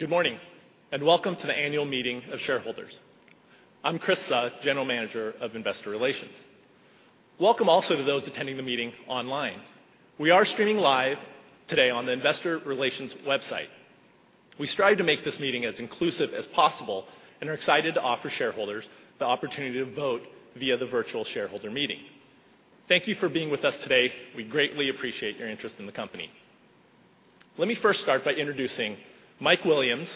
Good morning, and welcome to the annual meeting of shareholders. I'm Chris Suh, General Manager of Investor Relations. Welcome also to those attending the meeting online. We are streaming live today on the Investor Relations website. We strive to make this meeting as inclusive as possible and are excited to offer shareholders the opportunity to vote via the virtual shareholder meeting. Thank you for being with us today. We greatly appreciate your interest in the company. Let me first start by introducing Mike Williams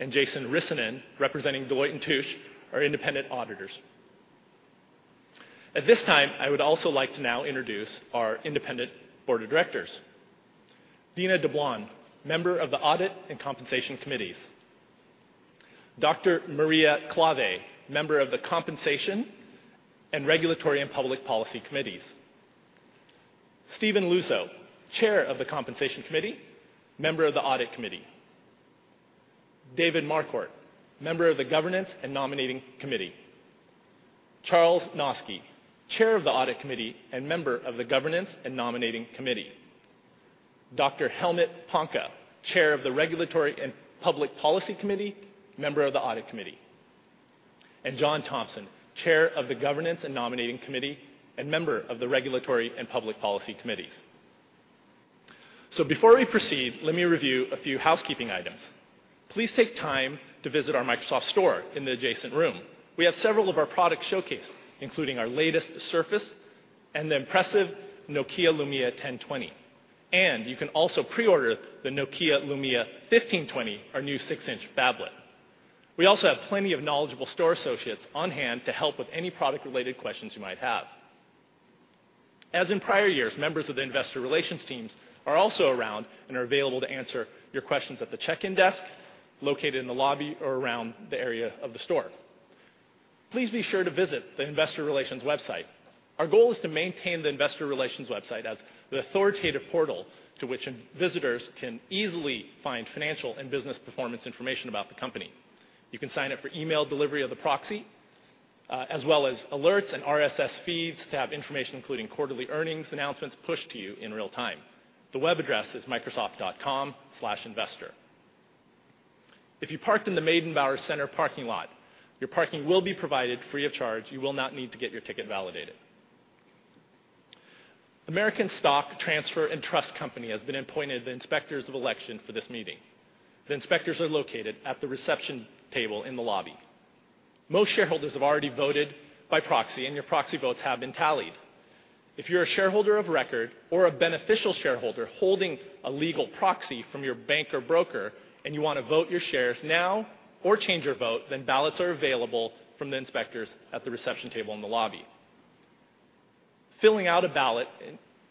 and Jason Rissanen, representing Deloitte & Touche, our independent auditors. At this time, I would also like to now introduce our independent board of directors. Dina Dublon, member of the Audit and Compensation Committees. Dr. Maria Klawe, member of the Compensation and Regulatory and Public Policy Committees. Stephen Luczo, Chair of the Compensation Committee, member of the Audit Committee. David Marquardt, member of the Governance and Nominating Committee. Charles Noski, Chair of the Audit Committee and member of the Governance and Nominating Committee. Dr. Helmut Panke, Chair of the Regulatory and Public Policy Committee, member of the Audit Committee. John Thompson, Chair of the Governance and Nominating Committee and member of the Regulatory and Public Policy Committees. Before we proceed, let me review a few housekeeping items. Please take time to visit our Microsoft Store in the adjacent room. We have several of our products showcased, including our latest Surface and the impressive Nokia Lumia 1020. You can also pre-order the Nokia Lumia 1520, our new six-inch phablet. We also have plenty of knowledgeable store associates on hand to help with any product-related questions you might have. As in prior years, members of the Investor Relations teams are also around and are available to answer your questions at the check-in desk located in the lobby or around the area of the store. Please be sure to visit the Investor Relations website. Our goal is to maintain the Investor Relations website as the authoritative portal to which visitors can easily find financial and business performance information about the company. You can sign up for email delivery of the proxy, as well as alerts and RSS feeds to have information, including quarterly earnings announcements, pushed to you in real time. The web address is microsoft.com/investor. If you parked in the Meydenbauer Center parking lot, your parking will be provided free of charge. You will not need to get your ticket validated. American Stock Transfer & Trust Company has been appointed the inspectors of election for this meeting. The inspectors are located at the reception table in the lobby. Most shareholders have already voted by proxy, and your proxy votes have been tallied. If you're a shareholder of record or a beneficial shareholder holding a legal proxy from your bank or broker and you want to vote your shares now or change your vote, ballots are available from the inspectors at the reception table in the lobby. Filling out a ballot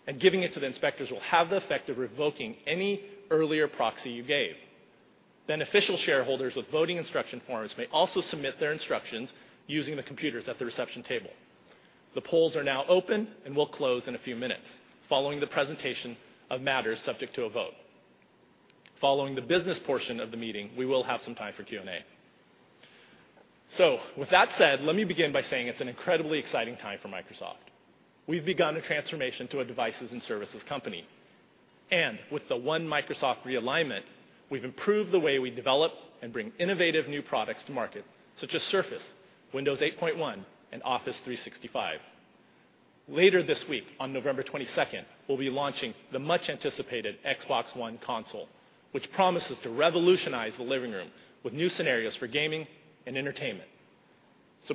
and giving it to the inspectors will have the effect of revoking any earlier proxy you gave. Beneficial shareholders with voting instruction forms may also submit their instructions using the computers at the reception table. The polls are now open and will close in a few minutes following the presentation of matters subject to a vote. Following the business portion of the meeting, we will have some time for Q&A. With that said, let me begin by saying it's an incredibly exciting time for Microsoft. We've begun a transformation to a devices and services company. With the One Microsoft realignment, we've improved the way we develop and bring innovative new products to market, such as Surface, Windows 8.1, and Office 365. Later this week, on November 22nd, we'll be launching the much-anticipated Xbox One console, which promises to revolutionize the living room with new scenarios for gaming and entertainment.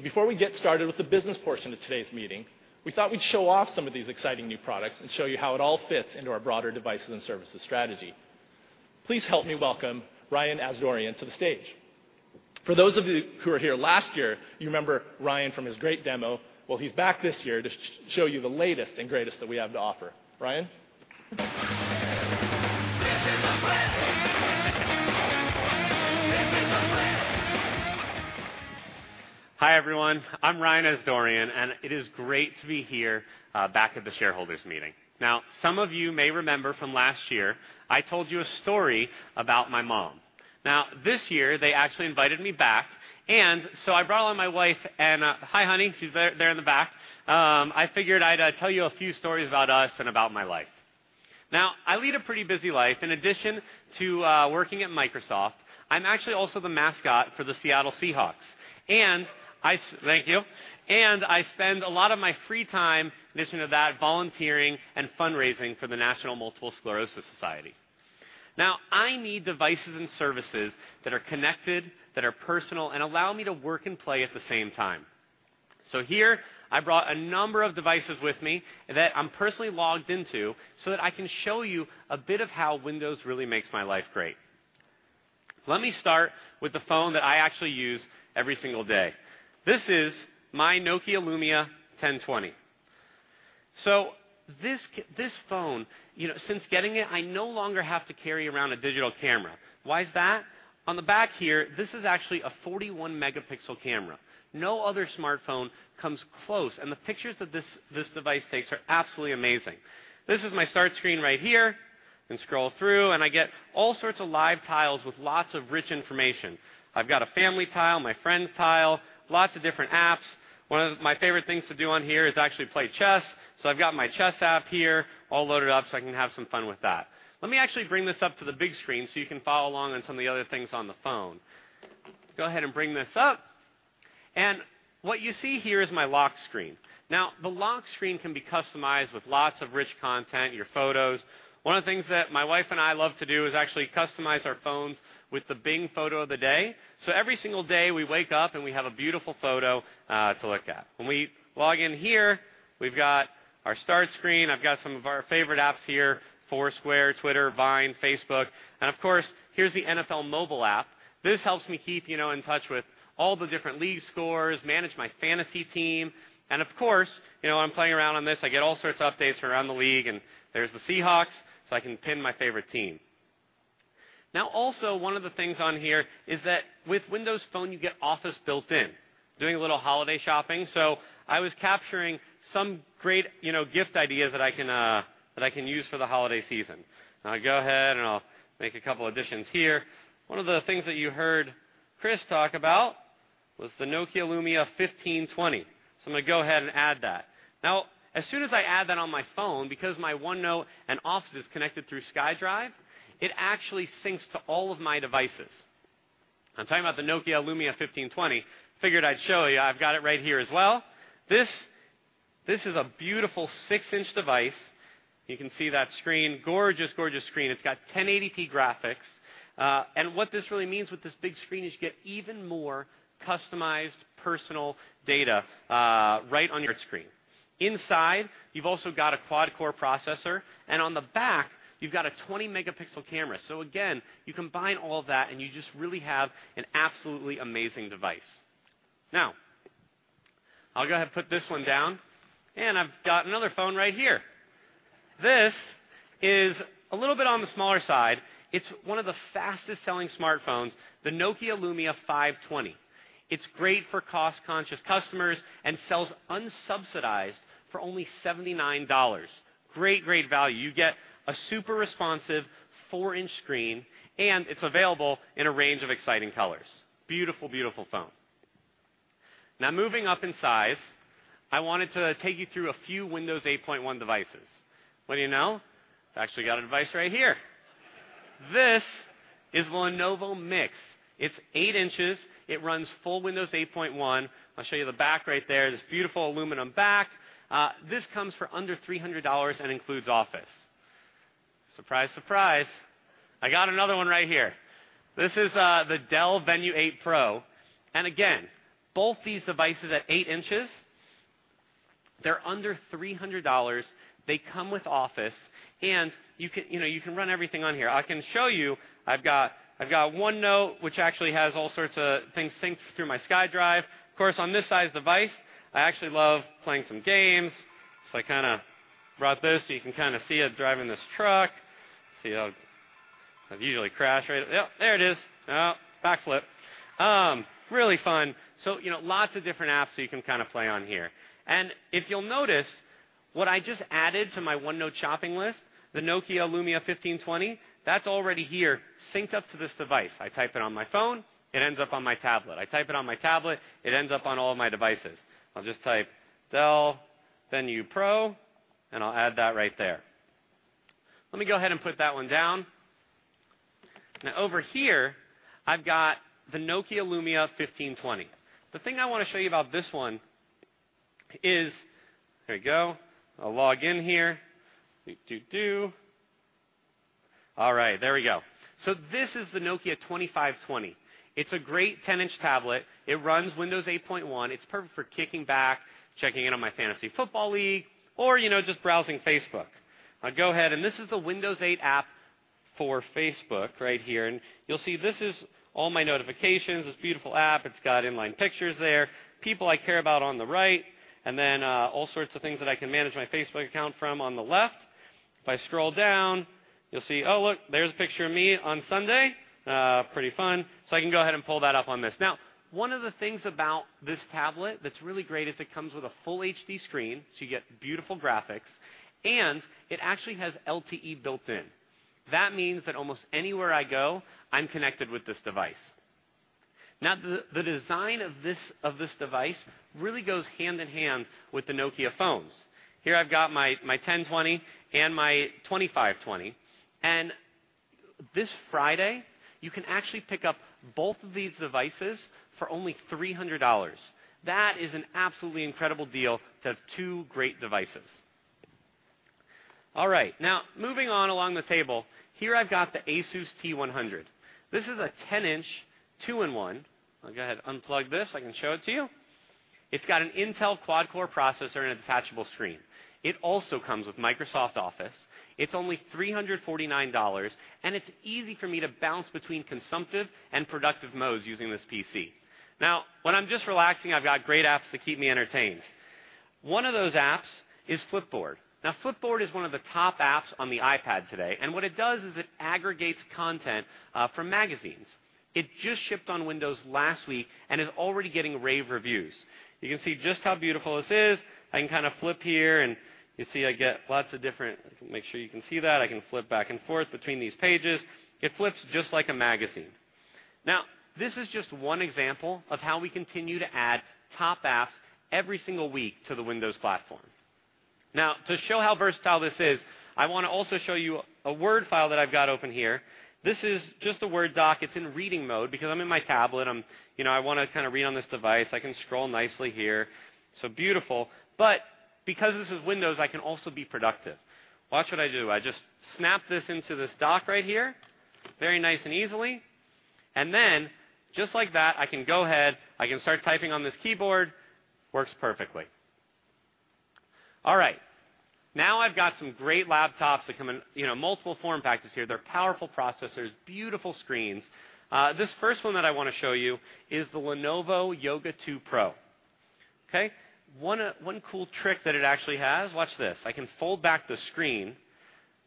Before we get started with the business portion of today's meeting, we thought we'd show off some of these exciting new products and show you how it all fits into our broader devices and services strategy. Please help me welcome Ryan Asdourian to the stage. For those of you who were here last year, you remember Ryan from his great demo. He's back this year to show you the latest and greatest that we have to offer. Ryan? Hi, everyone. I'm Ryan Asdourian, it is great to be here back at the shareholders' meeting. Some of you may remember from last year, I told you a story about my mom. This year, they actually invited me back, I brought along my wife, Anna. Hi, honey. She's there in the back. I figured I'd tell you a few stories about us and about my life. I lead a pretty busy life. In addition to working at Microsoft, I'm actually also the mascot for the Seattle Seahawks. Thank you. I spend a lot of my free time in addition to that, volunteering and fundraising for the National Multiple Sclerosis Society. I need devices and services that are connected, that are personal, and allow me to work and play at the same time. Here I brought a number of devices with me that I'm personally logged into so that I can show you a bit of how Windows really makes my life great. Let me start with the phone that I actually use every single day. This is my Nokia Lumia 1020. This phone, since getting it, I no longer have to carry around a digital camera. Why is that? On the back here, this is actually a 41-megapixel camera. No other smartphone comes close, the pictures that this device takes are absolutely amazing. This is my start screen right here. Can scroll through, I get all sorts of live tiles with lots of rich information. I've got a family tile, my friends tile, lots of different apps. One of my favorite things to do on here is actually play chess. I've got my chess app here all loaded up so I can have some fun with that. Let me actually bring this up to the big screen so you can follow along on some of the other things on the phone. Go ahead and bring this up, and what you see here is my lock screen. Now, the lock screen can be customized with lots of rich content, your photos. One of the things that my wife and I love to do is actually customize our phones with the Bing photo of the day. Every single day we wake up and we have a beautiful photo to look at. When we log in here, we've got our start screen. I've got some of our favorite apps here, Foursquare, Twitter, Vine, Facebook, and of course, here's the NFL mobile app. This helps me keep in touch with all the different league scores, manage my fantasy team, and of course, I'm playing around on this. I get all sorts of updates around the league, and there's the Seahawks, so I can pin my favorite team. Now, also one of the things on here is that with Windows Phone, you get Office built in. Doing a little holiday shopping, so I was capturing some great gift ideas that I can use for the holiday season. I'll go ahead and I'll make a couple additions here. One of the things that you heard Chris talk about was the Nokia Lumia 1520. I'm going to go ahead and add that. Now, as soon as I add that on my phone, because my OneNote and Office is connected through SkyDrive, it actually syncs to all of my devices. I'm talking about the Nokia Lumia 1520. Figured I'd show you. I've got it right here as well. This is a beautiful six-inch device. You can see that screen. Gorgeous screen. It's got 1080p graphics. What this really means with this big screen is you get even more customized personal data right on your screen. Inside, you've also got a quad-core processor, and on the back you've got a 20 megapixel camera. Again, you combine all that and you just really have an absolutely amazing device. Now, I'll go ahead and put this one down, and I've got another phone right here. This is a little bit on the smaller side. It's one of the fastest selling smartphones, the Nokia Lumia 520. It's great for cost-conscious customers and sells unsubsidized for only $79. Great value. You get a super responsive four-inch screen, and it's available in a range of exciting colors. Beautiful phone. Now moving up in size, I wanted to take you through a few Windows 8.1 devices. What do you know? I've actually got a device right here. This is the Lenovo Miix. It's eight inches. It runs full Windows 8.1. I'll show you the back right there, this beautiful aluminum back. This comes for under $300 and includes Office. Surprise, surprise, I got another one right here. This is the Dell Venue 8 Pro. Again, both these devices at eight inches, they're under $300. They come with Office and you can run everything on here. I can show you. I've got OneNote, which actually has all sorts of things synced through my SkyDrive. Of course, on this size device, I actually love playing some games. I brought this so you can kind of see it, driving this truck. See, I usually crash right. Yep, there it is. Oh, backflip. Really fun. Lots of different apps that you can play on here. If you'll notice, what I just added to my OneNote shopping list, the Nokia Lumia 1520, that's already here, synced up to this device. I type it on my phone, it ends up on my tablet. I type it on my tablet, it ends up on all of my devices. I'll just type Dell Venue Pro, and I'll add that right there. Let me go ahead and put that one down. Over here, I've got the Nokia Lumia 1520. The thing I want to show you about this one is. There you go. I'll log in here. Doo-doo-doo. All right, there we go. This is the Nokia 2520. It's a great 10-inch tablet. It runs Windows 8.1. It's perfect for kicking back, checking in on my fantasy football league or just browsing Facebook. I'll go ahead. This is the Windows 8 app for Facebook right here, and you'll see this is all my notifications. This beautiful app, it's got inline pictures there, people I care about on the right, and then all sorts of things that I can manage my Facebook account from on the left. If I scroll down, you'll see, oh look, there's a picture of me on Sunday. Pretty fun. I can go ahead and pull that up on this. One of the things about this tablet that's really great is it comes with a full HD screen, so you get beautiful graphics, and it actually has LTE built in. That means that almost anywhere I go, I'm connected with this device. The design of this device really goes hand in hand with the Nokia phones. Here I've got my 1020 and my 2520. This Friday, you can actually pick up both of these devices for only $300. That is an absolutely incredible deal to have two great devices. All right. Moving on along the table, here I've got the ASUS T100. This is a 10-inch, two-in-one. I'll go ahead, unplug this. I can show it to you. It's got an Intel quad-core processor and a detachable screen. It also comes with Microsoft Office. It's only $349. It's easy for me to bounce between consumptive and productive modes using this PC. When I'm just relaxing, I've got great apps that keep me entertained. One of those apps is Flipboard. Flipboard is one of the top apps on the iPad today, and what it does is it aggregates content from magazines. It just shipped on Windows last week and is already getting rave reviews. You can see just how beautiful this is. I can kind of flip here and you see I get lots of different. Make sure you can see that. I can flip back and forth between these pages. It flips just like a magazine. This is just one example of how we continue to add top apps every single week to the Windows platform. To show how versatile this is, I want to also show you a Word file that I've got open here. This is just a Word doc. It's in reading mode because I'm in my tablet, I want to read on this device. I can scroll nicely here. So beautiful. Because this is Windows, I can also be productive. Watch what I do. I just snap this into this dock right here, very nice and easily. Just like that, I can go ahead, I can start typing on this keyboard. Works perfectly. I've got some great laptops that come in multiple form factors here. They're powerful processors, beautiful screens. This first one that I want to show you is the Lenovo Yoga 2 Pro. Okay? One cool trick that it actually has, watch this. I can fold back the screen,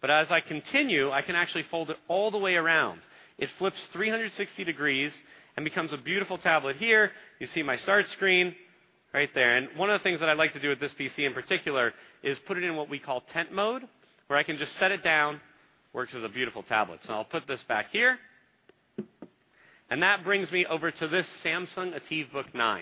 but as I continue, I can actually fold it all the way around. It flips 360 degrees and becomes a beautiful tablet here. You see my start screen right there. One of the things that I like to do with this PC in particular is put it in what we call tent mode, where I can just set it down. Works as a beautiful tablet. I'll put this back here. That brings me over to this Samsung ATIV Book 9.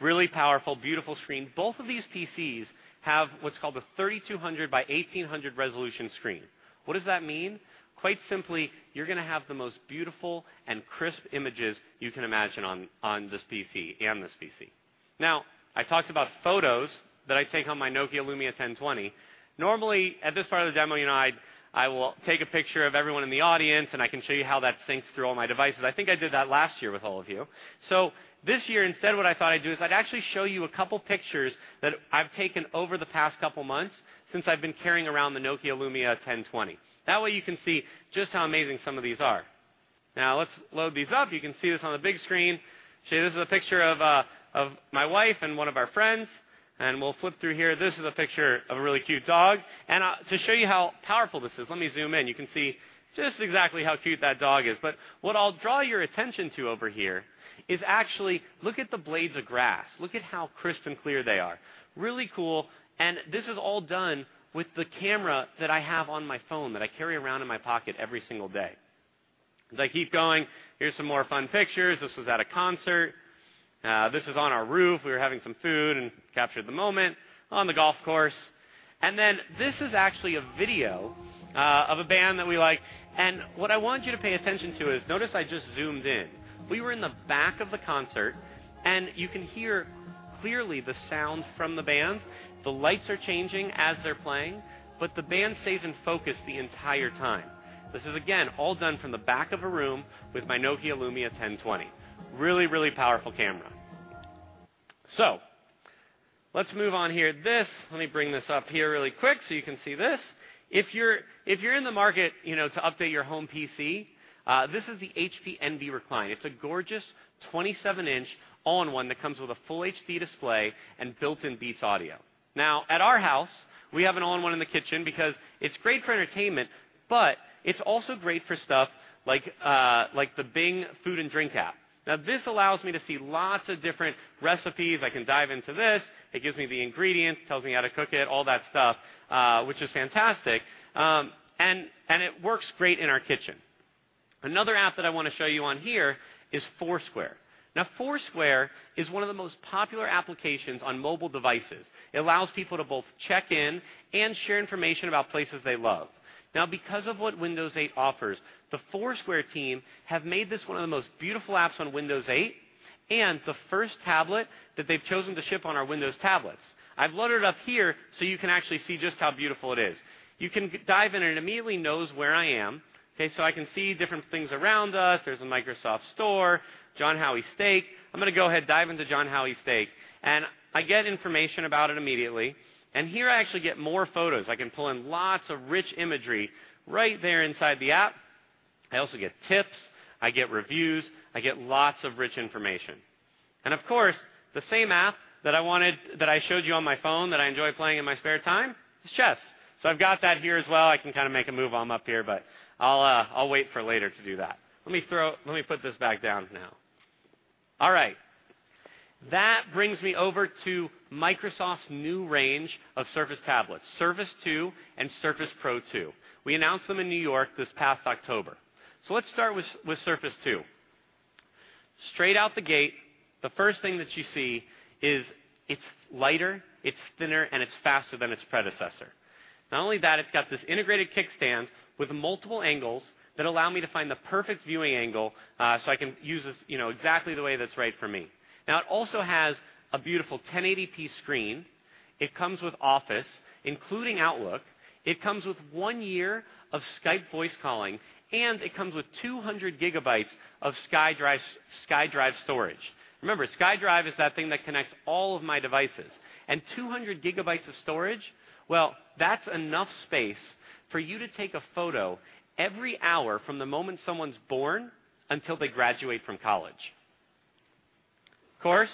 Really powerful, beautiful screen. Both of these PCs have what's called the 3200 by 1800 resolution screen. What does that mean? Quite simply, you're going to have the most beautiful and crisp images you can imagine on this PC and this PC. I talked about photos that I take on my Nokia Lumia 1020. Normally, at this part of the demo, I will take a picture of everyone in the audience, and I can show you how that syncs through all my devices. I think I did that last year with all of you. This year, instead, what I thought I'd do is I'd actually show you a couple pictures that I've taken over the past couple months since I've been carrying around the Nokia Lumia 1020. That way, you can see just how amazing some of these are. Let's load these up. You can see this on the big screen. This is a picture of my wife and one of our friends, we'll flip through here. This is a picture of a really cute dog. To show you how powerful this is, let me zoom in. You can see just exactly how cute that dog is. What I'll draw your attention to over here is actually look at the blades of grass. Look at how crisp and clear they are. Really cool, this is all done with the camera that I have on my phone that I carry around in my pocket every single day. As I keep going, here's some more fun pictures. This was at a concert. This is on our roof. We were having some food and captured the moment on the golf course. This is actually a video of a band that we like. What I want you to pay attention to is notice I just zoomed in. We were in the back of the concert, and you can hear clearly the sound from the band. The lights are changing as they're playing, but the band stays in focus the entire time. This is, again, all done from the back of a room with my Nokia Lumia 1020. Really, really powerful camera. Let's move on here. Let me bring this up here really quick so you can see this. If you're in the market to update your home PC, this is the HP Envy Recline. It's a gorgeous 27-inch all-in-one that comes with a full HD display and built-in Beats Audio. At our house, we have an all-in-one in the kitchen because it's great for entertainment, but it's also great for stuff like the Bing Food & Drink app. This allows me to see lots of different recipes. I can dive into this. It gives me the ingredients, tells me how to cook it, all that stuff, which is fantastic. It works great in our kitchen. Another app that I want to show you on here is Foursquare. Foursquare is one of the most popular applications on mobile devices. It allows people to both check in and share information about places they love. Because of what Windows 8 offers, the Foursquare team have made this one of the most beautiful apps on Windows 8, and the first tablet that they've chosen to ship on our Windows tablets. I've loaded it up here so you can actually see just how beautiful it is. You can dive in, and it immediately knows where I am. Okay, so I can see different things around us. There's a Microsoft Store, John Howie Steak. I'm going to go ahead, dive into John Howie Steak, and I get information about it immediately. Here I actually get more photos. I can pull in lots of rich imagery right there inside the app. I also get tips. I get reviews. I get lots of rich information. Of course, the same app that I showed you on my phone that I enjoy playing in my spare time is chess. I've got that here as well. I can kind of make a move. I'm up here, but I'll wait for later to do that. Let me put this back down now. All right. That brings me over to Microsoft's new range of Surface tablets, Surface 2 and Surface Pro 2. We announced them in New York this past October. Let's start with Surface 2. Straight out the gate, the first thing that you see is it's lighter, it's thinner, and it's faster than its predecessor. Not only that, it's got this integrated kickstand with multiple angles that allow me to find the perfect viewing angle so I can use this exactly the way that's right for me. It also has a beautiful 1080p screen. It comes with Office, including Outlook. It comes with one year of Skype voice calling, and it comes with 200 gigabytes of SkyDrive storage. Remember, SkyDrive is that thing that connects all of my devices. 200 gigabytes of storage, well, that's enough space for you to take a photo every hour from the moment someone's born until they graduate from college. Of course,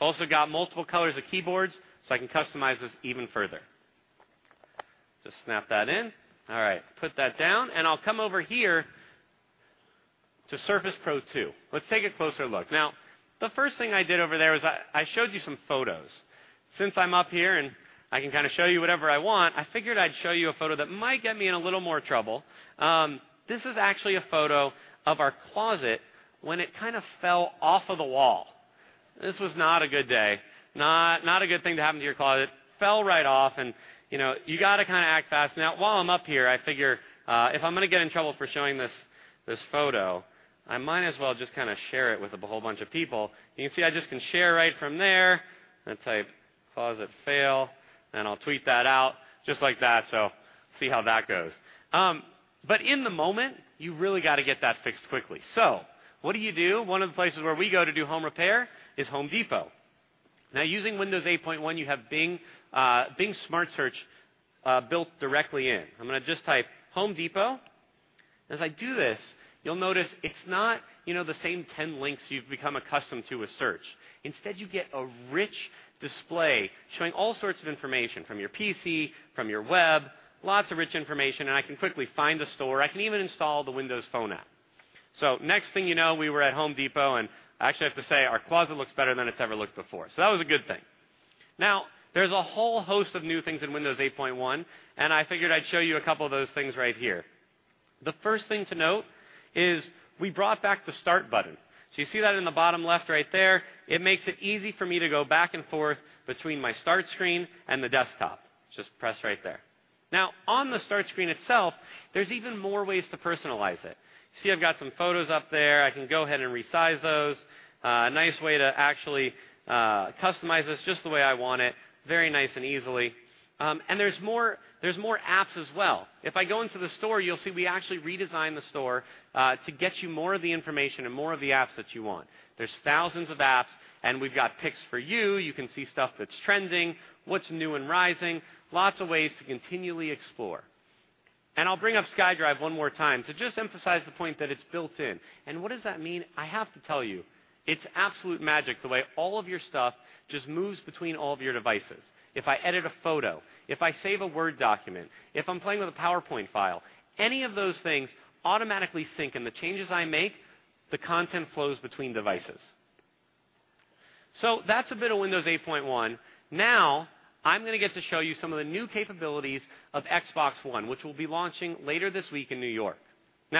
also got multiple colors of keyboards so I can customize this even further. Just snap that in. All right, put that down and I'll come over here to Surface Pro 2. Let's take a closer look. The first thing I did over there was I showed you some photos. Since I'm up here and I can kind of show you whatever I want, I figured I'd show you a photo that might get me in a little more trouble. This is actually a photo of our closet when it kind of fell off of the wall. This was not a good day. Not a good thing to happen to your closet. You've got to act fast. While I'm up here, I figure if I'm going to get in trouble for showing this photo, I might as well just share it with a whole bunch of people. You can see I just can share right from there and type, "Closet fail" then I'll tweet that out just like that. See how that goes. In the moment, you really got to get that fixed quickly. What do you do? One of the places where we go to do home repair is Home Depot. Using Windows 8.1, you have Bing Smart Search built directly in. I'm going to just type Home Depot. As I do this, you'll notice it's not the same 10 links you've become accustomed to with search. Instead, you get a rich display showing all sorts of information from your PC, from your web, lots of rich information. I can quickly find a store. I can even install the Windows Phone app. Next thing you know, we were at Home Depot. I actually have to say, our closet looks better than it's ever looked before. That was a good thing. There's a whole host of new things in Windows 8.1. I figured I'd show you a couple of those things right here. The first thing to note is we brought back the Start button. You see that in the bottom left right there. It makes it easy for me to go back and forth between my Start screen and the desktop. Just press right there. On the Start screen itself, there's even more ways to personalize it. See, I've got some photos up there. I can go ahead and resize those. A nice way to actually customize this just the way I want it, very nice and easily. There's more apps as well. If I go into the store, you'll see we actually redesigned the store to get you more of the information and more of the apps that you want. There's thousands of apps. We've got picks for you. You can see stuff that's trending, what's new and rising, lots of ways to continually explore. I'll bring up SkyDrive one more time to just emphasize the point that it's built in. What does that mean? I have to tell you, it's absolute magic the way all of your stuff just moves between all of your devices. If I edit a photo, if I save a Word document, if I'm playing with a PowerPoint file, any of those things automatically sync. The changes I make, the content flows between devices. That's a bit of Windows 8.1. I'm going to get to show you some of the new capabilities of Xbox One, which we'll be launching later this week in New York.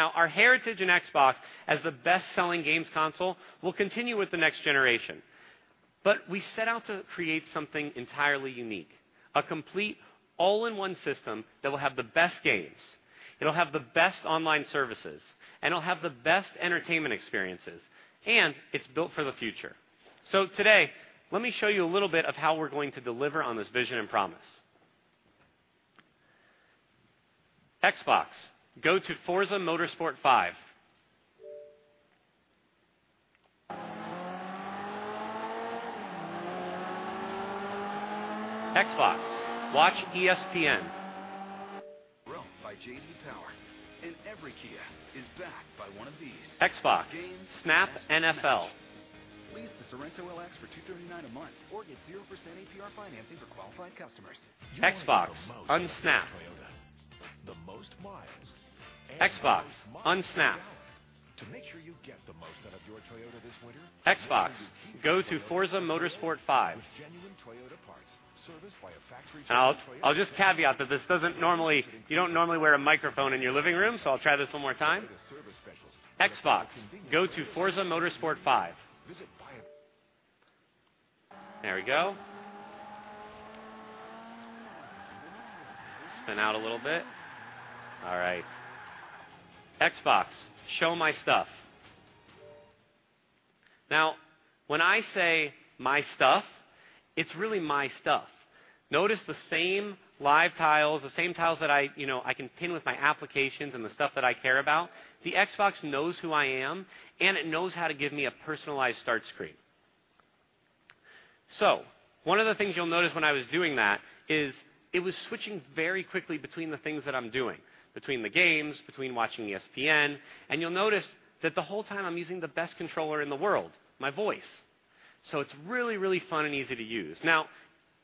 Our heritage in Xbox as the best-selling games console will continue with the next generation. We set out to create something entirely unique, a complete all-in-one system that will have the best games, it'll have the best online services, it'll have the best entertainment experiences, it's built for the future. Today, let me show you a little bit of how we're going to deliver on this vision and promise. Xbox, go to Forza Motorsport 5. Xbox, watch ESPN. Run by J.D. Power, every Kia is backed by one of these. Xbox. Snap NFL. Lease the Sorento LX for $239 a month, get 0% APR financing for qualified customers. Xbox, unsnap. The most miles. Xbox, unsnap. To make sure you get the most out of your Toyota this winter. Xbox, go to Forza Motorsport 5. With genuine Toyota parts, serviced by a factory trained- I'll just caveat that you don't normally wear a microphone in your living room, so I'll try this one more time. Xbox, go to Forza Motorsport 5. Visit, buy a- There we go. Spin out a little bit. All right. Xbox, show my stuff. When I say my stuff, it's really my stuff. Notice the same live tiles, the same tiles that I can pin with my applications and the stuff that I care about. The Xbox knows who I am, and it knows how to give me a personalized start screen. One of the things you'll notice when I was doing that is it was switching very quickly between the things that I'm doing, between the games, between watching ESPN. You'll notice that the whole time I'm using the best controller in the world, my voice. It's really, really fun and easy to use. Now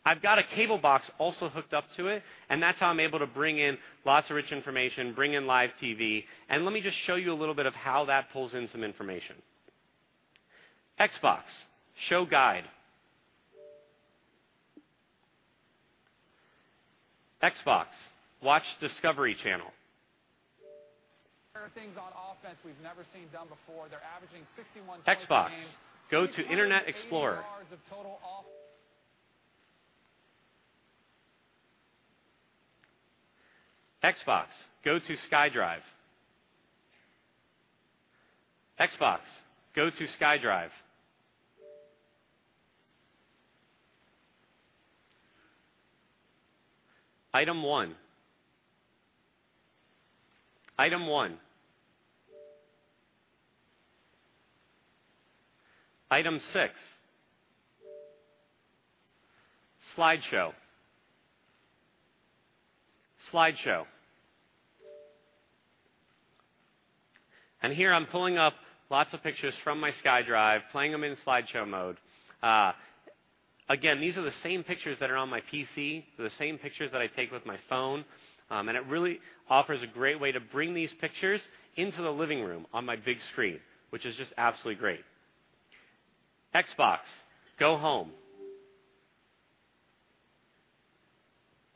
I've got a cable box also hooked up to it, and that's how I'm able to bring in lots of rich information, bring in live TV, and let me just show you a little bit of how that pulls in some information. Xbox, show guide. Xbox, watch Discovery Channel. There are things on offense we've never seen done before. They're averaging 61 points a game. Xbox, go to Internet Explorer. 80 yards of total. Xbox, go to SkyDrive. Xbox, go to SkyDrive. Item 1. Item 1. Item 6. Slideshow. Slideshow. Here I'm pulling up lots of pictures from my SkyDrive, playing them in slideshow mode. Again, these are the same pictures that are on my PC. They're the same pictures that I take with my phone. It really offers a great way to bring these pictures into the living room on my big screen, which is just absolutely great. Xbox, go home.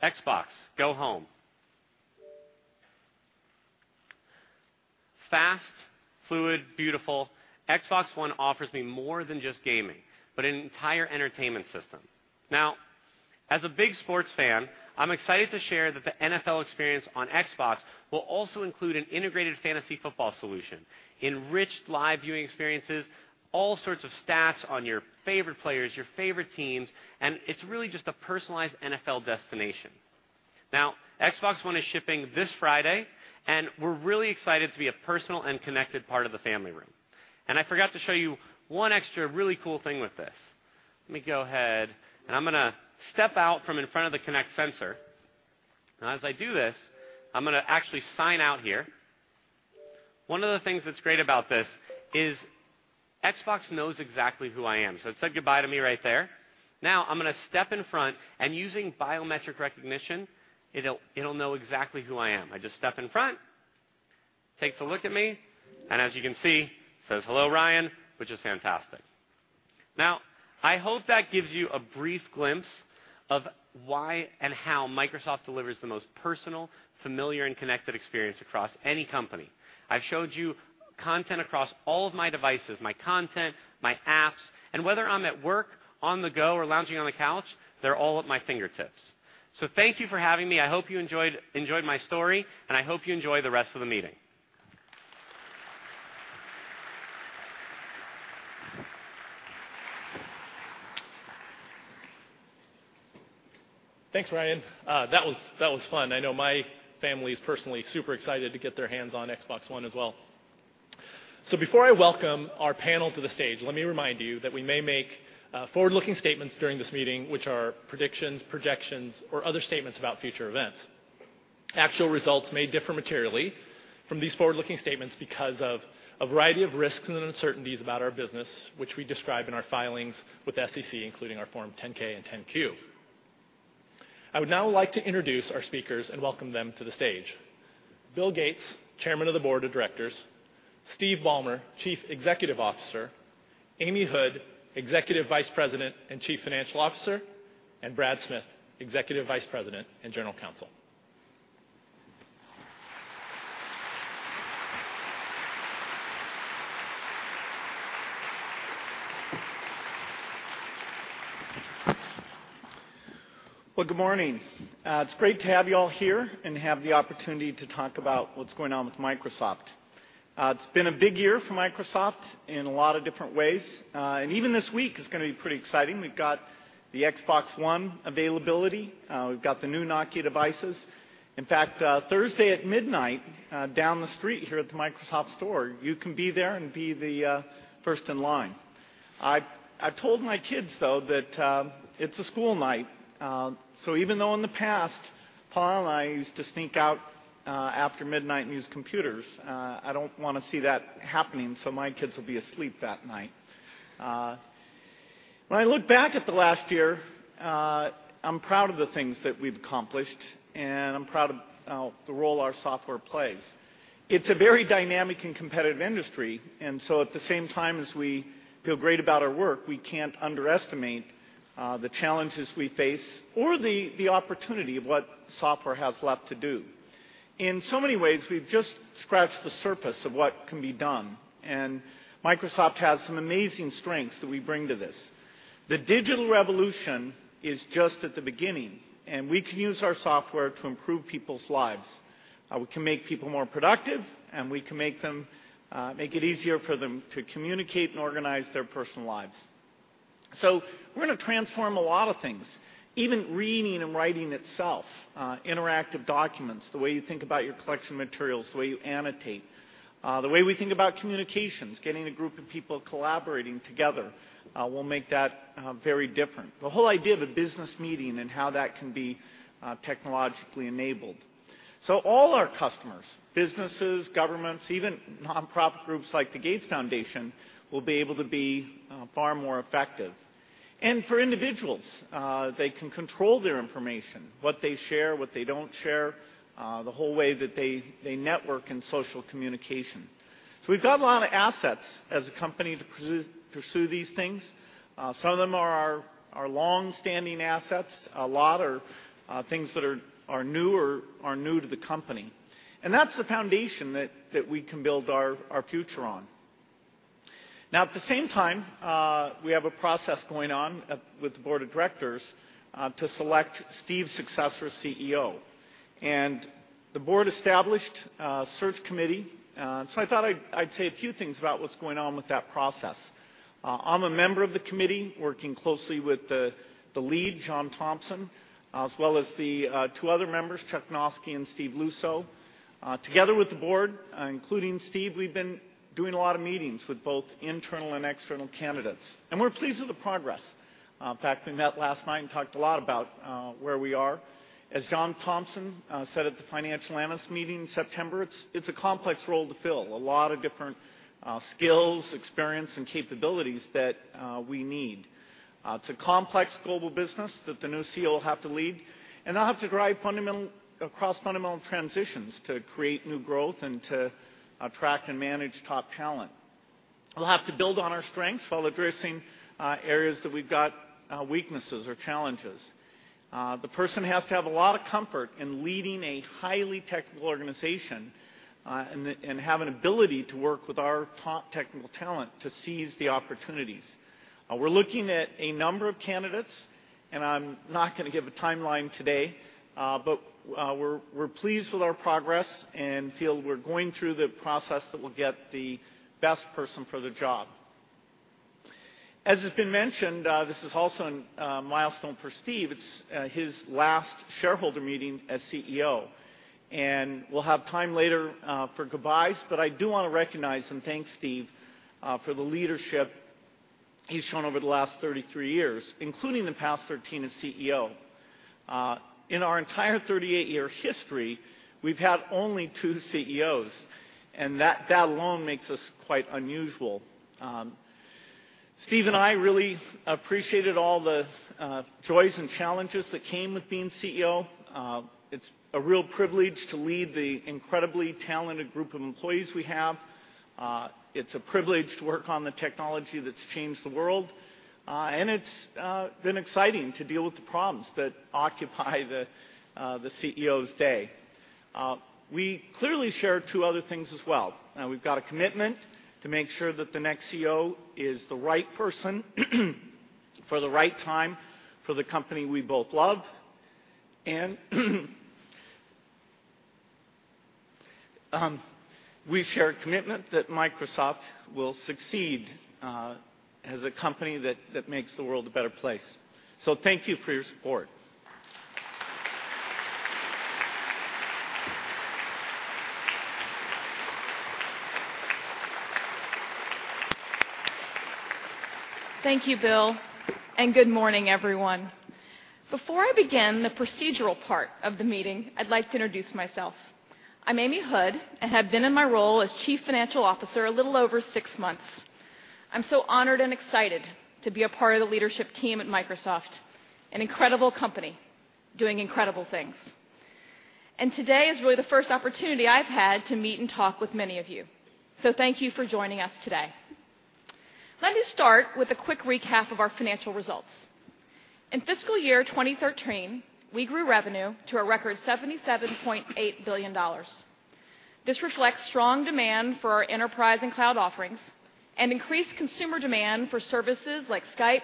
Xbox, go home. Fast, fluid, beautiful. Xbox One offers me more than just gaming, but an entire entertainment system. Now, as a big sports fan, I'm excited to share that the NFL experience on Xbox will also include an integrated fantasy football solution, enriched live viewing experiences, all sorts of stats on your favorite players, your favorite teams, and it's really just a personalized NFL destination. Now, Xbox One is shipping this Friday, and we're really excited to be a personal and connected part of the family room. I forgot to show you one extra really cool thing with this. Let me go ahead, I'm going to step out from in front of the Kinect sensor. Now, as I do this, I'm going to actually sign out here. One of the things that's great about this is Xbox knows exactly who I am, so it said goodbye to me right there. Now I'm going to step in front and using biometric recognition, it'll know exactly who I am. I just step in front, takes a look at me, and as you can see, says, "Hello, Ryan," which is fantastic. Now, I hope that gives you a brief glimpse of why and how Microsoft delivers the most personal, familiar, and connected experience across any company. I've showed you content across all of my devices, my content, my apps. Whether I'm at work, on the go, or lounging on the couch, they're all at my fingertips. Thank you for having me. I hope you enjoyed my story, and I hope you enjoy the rest of the meeting. Thanks, Ryan. That was fun. I know my family is personally super excited to get their hands on Xbox One as well. Before I welcome our panel to the stage, let me remind you that we may make forward-looking statements during this meeting, which are predictions, projections, or other statements about future events. Actual results may differ materially from these forward-looking statements because of a variety of risks and uncertainties about our business, which we describe in our filings with the SEC, including our Form 10-K and 10-Q. I would now like to introduce our speakers and welcome them to the stage. Bill Gates, Chairman of the Board of Directors, Steve Ballmer, Chief Executive Officer, Amy Hood, Executive Vice President and Chief Financial Officer, and Brad Smith, Executive Vice President and General Counsel. Well, good morning. It's great to have you all here and have the opportunity to talk about what's going on with Microsoft. It's been a big year for Microsoft in a lot of different ways. Even this week is going to be pretty exciting. We've got the Xbox One availability. We've got the new Nokia devices. In fact, Thursday at midnight, down the street here at the Microsoft Store, you can be there and be the first in line. I told my kids, though, that it's a school night. Even though in the past, Paul and I used to sneak out after midnight and use computers, I don't want to see that happening, so my kids will be asleep that night. When I look back at the last year, I'm proud of the things that we've accomplished, and I'm proud of the role our software plays. It's a very dynamic and competitive industry. At the same time as we feel great about our work, we can't underestimate the challenges we face or the opportunity of what software has left to do. In so many ways, we've just scratched the surface of what can be done, and Microsoft has some amazing strengths that we bring to this. The digital revolution is just at the beginning, and we can use our software to improve people's lives. We can make people more productive, and we can make it easier for them to communicate and organize their personal lives. We're going to transform a lot of things, even reading and writing itself, interactive documents, the way you think about your collection materials, the way you annotate. The way we think about communications, getting a group of people collaborating together. We'll make that very different. All our customers, businesses, governments, even nonprofit groups like the Gates Foundation, will be able to be far more effective. And for individuals, they can control their information, what they share, what they don't share, the whole way that they network in social communication. We've got a lot of assets as a company to pursue these things. Some of them are our long-standing assets. A lot are things that are new or are new to the company. And that's the foundation that we can build our future on. At the same time, we have a process going on with the board of directors to select Steve's successor CEO. And the board established a search committee. I thought I'd say a few things about what's going on with that process. I'm a member of the committee, working closely with the lead, John Thompson, as well as the two other members, Chuck Noski and Steve Luczo. Together with the board, including Steve, we've been doing a lot of meetings with both internal and external candidates. We're pleased with the progress. In fact, we met last night and talked a lot about where we are. As John Thompson said at the Financial Analyst Meeting in September, it's a complex role to fill. A lot of different skills, experience, and capabilities that we need. It's a complex global business that the new CEO will have to lead, and they'll have to drive across fundamental transitions to create new growth and to attract and manage top talent. We'll have to build on our strengths while addressing areas that we've got weaknesses or challenges. The person has to have a lot of comfort in leading a highly technical organization, and have an ability to work with our top technical talent to seize the opportunities. We're looking at a number of candidates, and I'm not going to give a timeline today, but we're pleased with our progress and feel we're going through the process that will get the best person for the job. As has been mentioned, this is also a milestone for Steve. It's his last shareholder meeting as CEO. We'll have time later for goodbyes, but I do want to recognize and thank Steve for the leadership he's shown over the last 33 years, including the past 13 as CEO. In our entire 38-year history, we've had only two CEOs, and that alone makes us quite unusual. Steve and I really appreciated all the joys and challenges that came with being CEO. It's a real privilege to lead the incredibly talented group of employees we have. It's a privilege to work on the technology that's changed the world. It's been exciting to deal with the problems that occupy the CEO's day. We clearly share two other things as well. We've got a commitment to make sure that the next CEO is the right person for the right time for the company we both love, and we share a commitment that Microsoft will succeed as a company that makes the world a better place. Thank you for your support. Thank you, Bill, good morning, everyone. Before I begin the procedural part of the meeting, I'd like to introduce myself. I'm Amy Hood, and have been in my role as chief financial officer a little over six months. I'm so honored and excited to be a part of the leadership team at Microsoft, an incredible company doing incredible things. Today is really the first opportunity I've had to meet and talk with many of you. Thank you for joining us today. Let me start with a quick recap of our financial results. In fiscal year 2013, we grew revenue to a record $77.8 billion. This reflects strong demand for our enterprise and cloud offerings and increased consumer demand for services like Skype,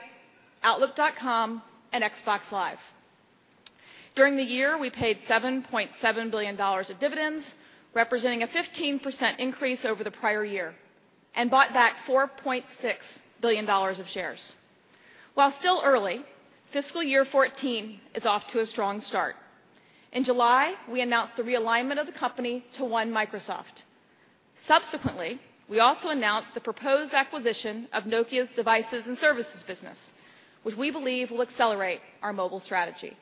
Outlook.com, and Xbox Live. During the year, we paid $7.7 billion of dividends, representing a 15% increase over the prior year, and bought back $4.6 billion of shares. While still early, fiscal year 2014 is off to a strong start. In July, we announced the realignment of the company to One Microsoft. Subsequently, we also announced the proposed acquisition of Nokia's devices and services business, which we believe will accelerate our mobile strategy.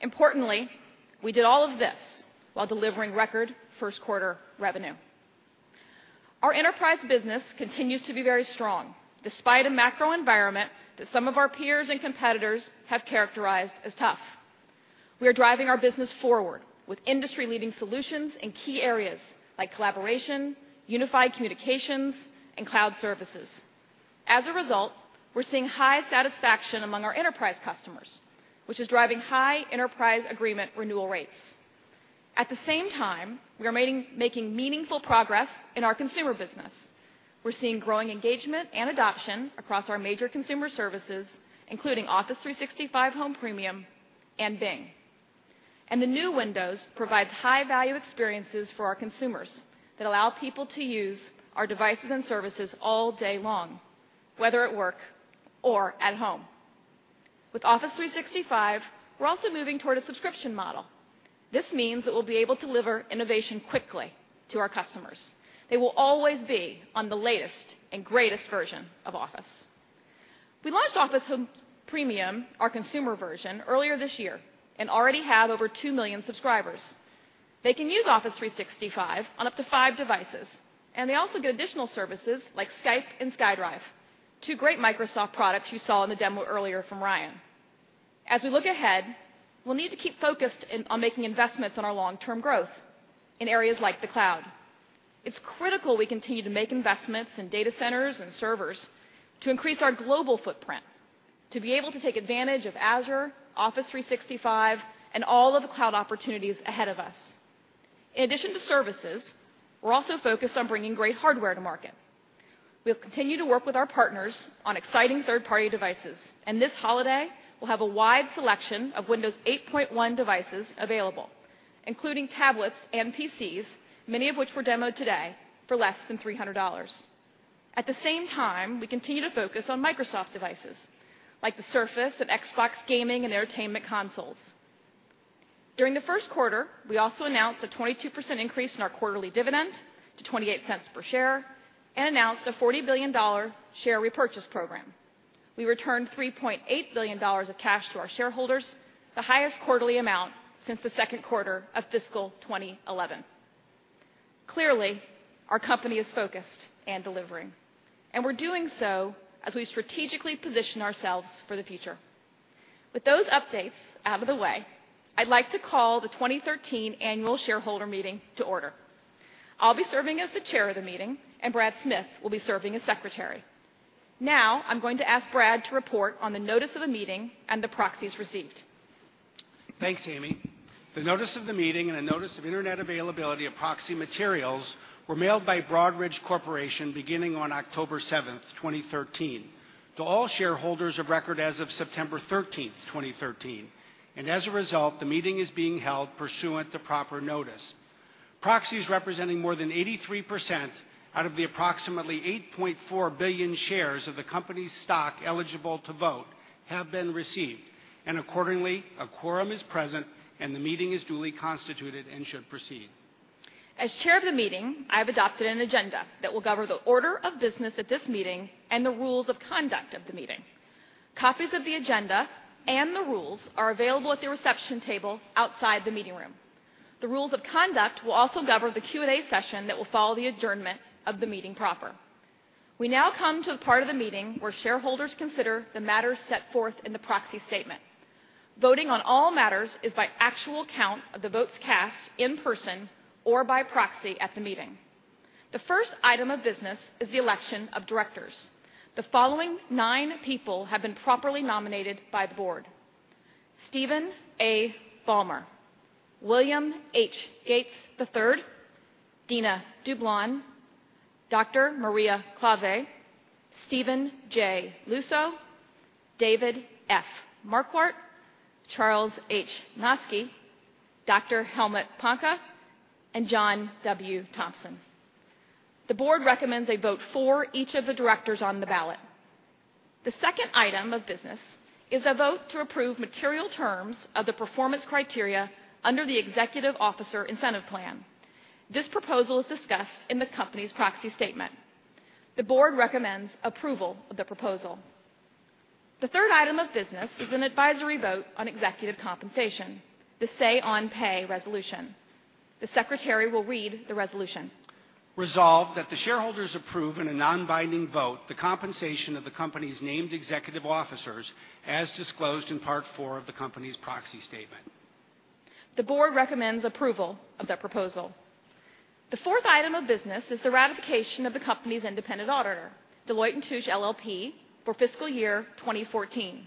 Importantly, we did all of this while delivering record first quarter revenue. Our enterprise business continues to be very strong, despite a macro environment that some of our peers and competitors have characterized as tough. We are driving our business forward with industry-leading solutions in key areas like collaboration, unified communications, and cloud services. As a result, we're seeing high satisfaction among our enterprise customers, which is driving high enterprise agreement renewal rates. At the same time, we are making meaningful progress in our consumer business. We're seeing growing engagement and adoption across our major consumer services, including Office 365 Home Premium and Bing. The new Windows provides high-value experiences for our consumers that allow people to use our devices and services all day long, whether at work or at home. With Office 365, we're also moving toward a subscription model. This means that we'll be able to deliver innovation quickly to our customers. They will always be on the latest and greatest version of Office. We launched Office Home Premium, our consumer version, earlier this year and already have over 2 million subscribers. They can use Office 365 on up to 5 devices, and they also get additional services like Skype and SkyDrive, two great Microsoft products you saw in the demo earlier from Ryan. As we look ahead, we'll need to keep focused on making investments on our long-term growth in areas like the cloud. It's critical we continue to make investments in data centers and servers to increase our global footprint, to be able to take advantage of Azure, Office 365, and all of the cloud opportunities ahead of us. In addition to services, we're also focused on bringing great hardware to market. We'll continue to work with our partners on exciting third-party devices, and this holiday, we'll have a wide selection of Windows 8.1 devices available, including tablets and PCs, many of which were demoed today, for less than $300. At the same time, we continue to focus on Microsoft devices, like the Surface and Xbox gaming and entertainment consoles. During the first quarter, we also announced a 22% increase in our quarterly dividend to $0.28 per share and announced a $40 billion share repurchase program. We returned $3.8 billion of cash to our shareholders, the highest quarterly amount since the second quarter of fiscal 2011. Clearly, our company is focused and delivering, and we're doing so as we strategically position ourselves for the future. With those updates out of the way, I'd like to call the 2013 annual shareholder meeting to order. I'll be serving as the chair of the meeting, and Brad Smith will be serving as secretary. I'm going to ask Brad to report on the notice of the meeting and the proxies received. Thanks, Amy. The notice of the meeting and the notice of internet availability of proxy materials were mailed by Broadridge Corporation beginning on October 7th, 2013, to all shareholders of record as of September 13th, 2013. As a result, the meeting is being held pursuant to proper notice. Proxies representing more than 83% out of the approximately 8.4 billion shares of the company's stock eligible to vote have been received, and accordingly, a quorum is present, and the meeting is duly constituted and should proceed. As chair of the meeting, I have adopted an agenda that will govern the order of business at this meeting and the rules of conduct of the meeting. Copies of the agenda and the rules are available at the reception table outside the meeting room. The rules of conduct will also govern the Q&A session that will follow the adjournment of the meeting proper. We now come to the part of the meeting where shareholders consider the matters set forth in the proxy statement. Voting on all matters is by actual count of the votes cast in person or by proxy at the meeting. The first item of business is the election of directors. The following nine people have been properly nominated by the board: Steven A. Ballmer, William H. Gates III, Dina Dublon, Dr. Maria Klawe, Stephen J. Luczo, David F. Marquardt, Charles H. Noski, Dr. Helmut Panke, and John W. Thompson. The board recommends a vote for each of the directors on the ballot. The second item of business is a vote to approve material terms of the performance criteria under the Executive Officer Incentive Plan. This proposal is discussed in the company's proxy statement. The board recommends approval of the proposal. The third item of business is an advisory vote on executive compensation, the Say on Pay resolution. The secretary will read the resolution. Resolved that the shareholders approve in a non-binding vote the compensation of the company's named executive officers as disclosed in Part 4 of the company's proxy statement. The board recommends approval of that proposal. The fourth item of business is the ratification of the company's independent auditor, Deloitte & Touche LLP, for fiscal year 2014.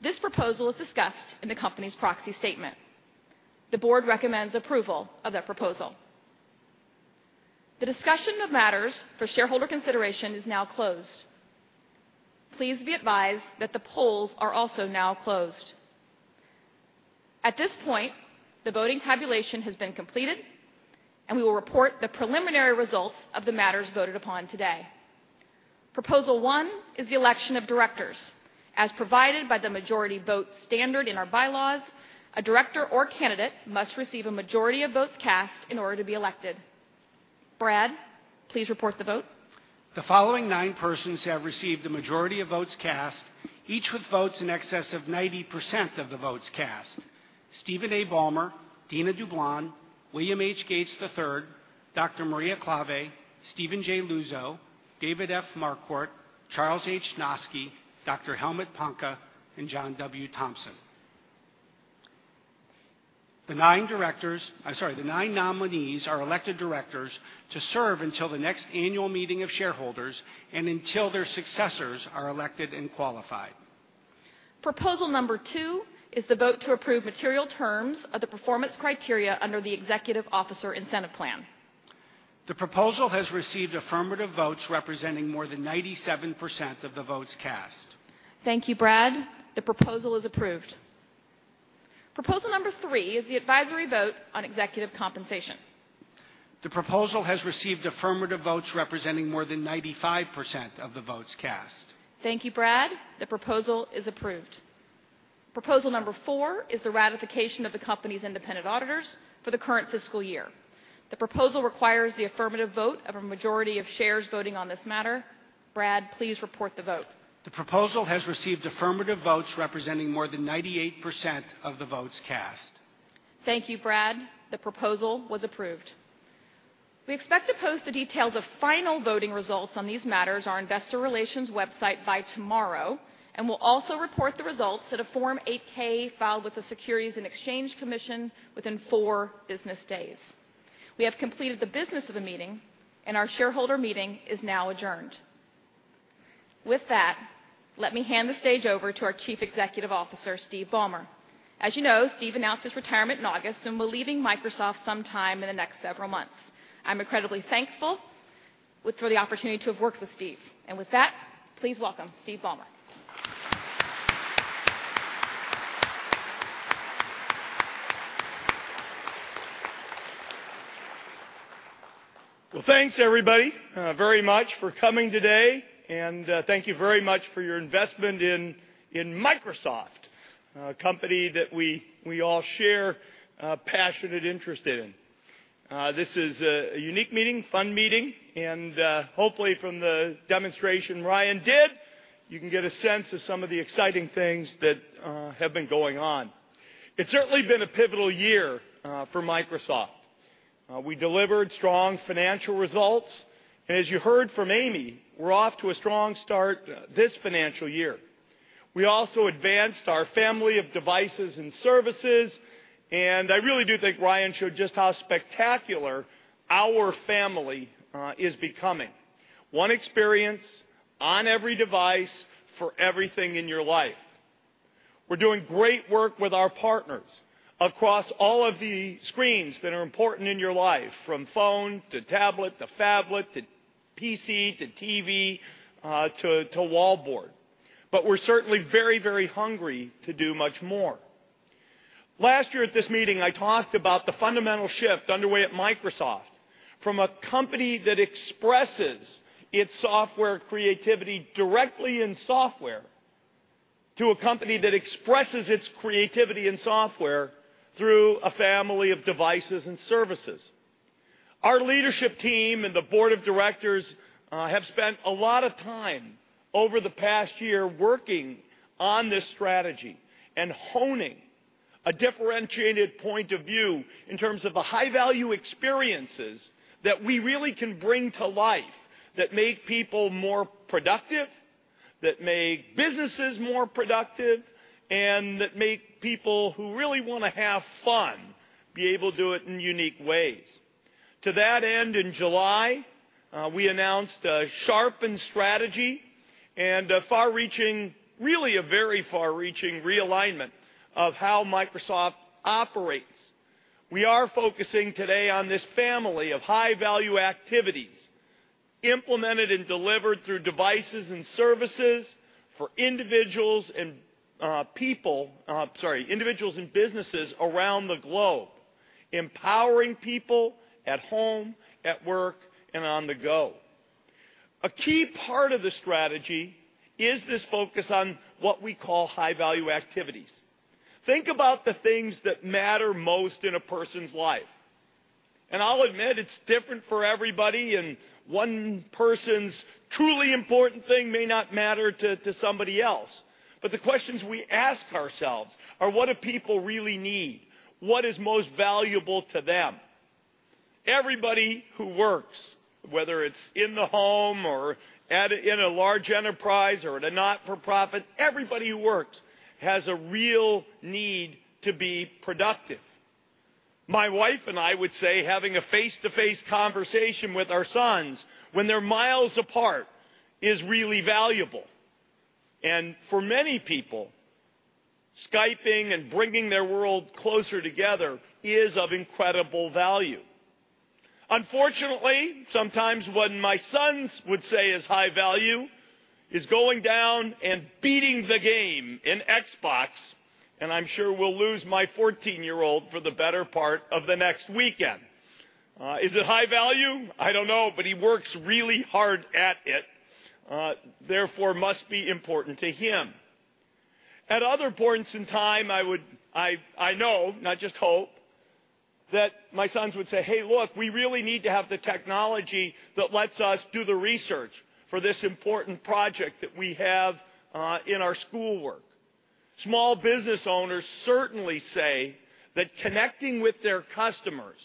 This proposal is discussed in the company's proxy statement. The board recommends approval of that proposal. The discussion of matters for shareholder consideration is now closed. Please be advised that the polls are also now closed. At this point, the voting tabulation has been completed, and we will report the preliminary results of the matters voted upon today. Proposal one is the election of directors. As provided by the majority vote standard in our bylaws, a director or candidate must receive a majority of votes cast in order to be elected. Brad, please report the vote. The following nine persons have received the majority of votes cast, each with votes in excess of 90% of the votes cast. Steven A. Ballmer, Dina Dublon, William H. Gates III, Dr. Maria Klawe, Steven J. Luzo, David F. Marquardt, Charles H. Noski, Dr. Helmut Panke, and John W. Thompson. The nine nominees are elected directors to serve until the next annual meeting of shareholders and until their successors are elected and qualified. Proposal number two is the vote to approve material terms of the performance criteria under the Executive Officer Incentive Plan. The proposal has received affirmative votes representing more than 97% of the votes cast. Thank you, Brad. The proposal is approved. Proposal number three is the advisory vote on executive compensation. The proposal has received affirmative votes representing more than 95% of the votes cast. Thank you, Brad. The proposal is approved. Proposal number four is the ratification of the company's independent auditors for the current fiscal year. The proposal requires the affirmative vote of a majority of shares voting on this matter. Brad, please report the vote. The proposal has received affirmative votes representing more than 98% of the votes cast. Thank you, Brad. The proposal was approved. We expect to post the details of final voting results on these matters on our investor relations website by tomorrow, and we'll also report the results in a Form 8-K filed with the Securities and Exchange Commission within four business days. We have completed the business of the meeting, and our shareholder meeting is now adjourned. With that, let me hand the stage over to our Chief Executive Officer, Steve Ballmer. As you know, Steve announced his retirement in August and will be leaving Microsoft sometime in the next several months. I'm incredibly thankful for the opportunity to have worked with Steve. With that, please welcome Steve Ballmer. Well, thanks everybody very much for coming today, and thank you very much for your investment in Microsoft, a company that we all share a passionate interest in. This is a unique meeting, fun meeting, and hopefully, from the demonstration Ryan did, you can get a sense of some of the exciting things that have been going on. It's certainly been a pivotal year for Microsoft. We delivered strong financial results, and as you heard from Amy, we're off to a strong start this financial year. We also advanced our family of devices and services, and I really do think Ryan showed just how spectacular our family is becoming. One experience on every device for everything in your life. We're doing great work with our partners across all of the screens that are important in your life, from phone to tablet to phablet, to PC, to TV, to wall board. We're certainly very hungry to do much more. Last year at this meeting, I talked about the fundamental shift underway at Microsoft from a company that expresses its software creativity directly in software, to a company that expresses its creativity in software through a family of devices and services. Our leadership team and the board of directors have spent a lot of time over the past year working on this strategy and honing a differentiated point of view in terms of the high-value experiences that we really can bring to life that make people more productive, that make businesses more productive, and that make people who really want to have fun be able to do it in unique ways. To that end, in July, we announced a sharpened strategy and a far-reaching, really a very far-reaching realignment of how Microsoft operates. We are focusing today on this family of high-value activities implemented and delivered through devices and services for individuals and businesses around the globe, empowering people at home, at work, and on the go. A key part of the strategy is this focus on what we call high-value activities. Think about the things that matter most in a person's life. I'll admit it's different for everybody, and one person's truly important thing may not matter to somebody else. The questions we ask ourselves are, what do people really need? What is most valuable to them? Everybody who works, whether it's in the home or in a large enterprise or at a not-for-profit, everybody who works has a real need to be productive. My wife and I would say having a face-to-face conversation with our sons when they're miles apart is really valuable. For many people, Skyping and bringing their world closer together is of incredible value. Unfortunately, sometimes what my sons would say is high value is going down and beating the game in Xbox, and I'm sure we'll lose my 14-year-old for the better part of the next weekend. Is it high value? I don't know, he works really hard at it, therefore must be important to him. At other points in time, I know, not just hope, that my sons would say, "Hey, look, we really need to have the technology that lets us do the research for this important project that we have in our schoolwork." Small business owners certainly say that connecting with their customers,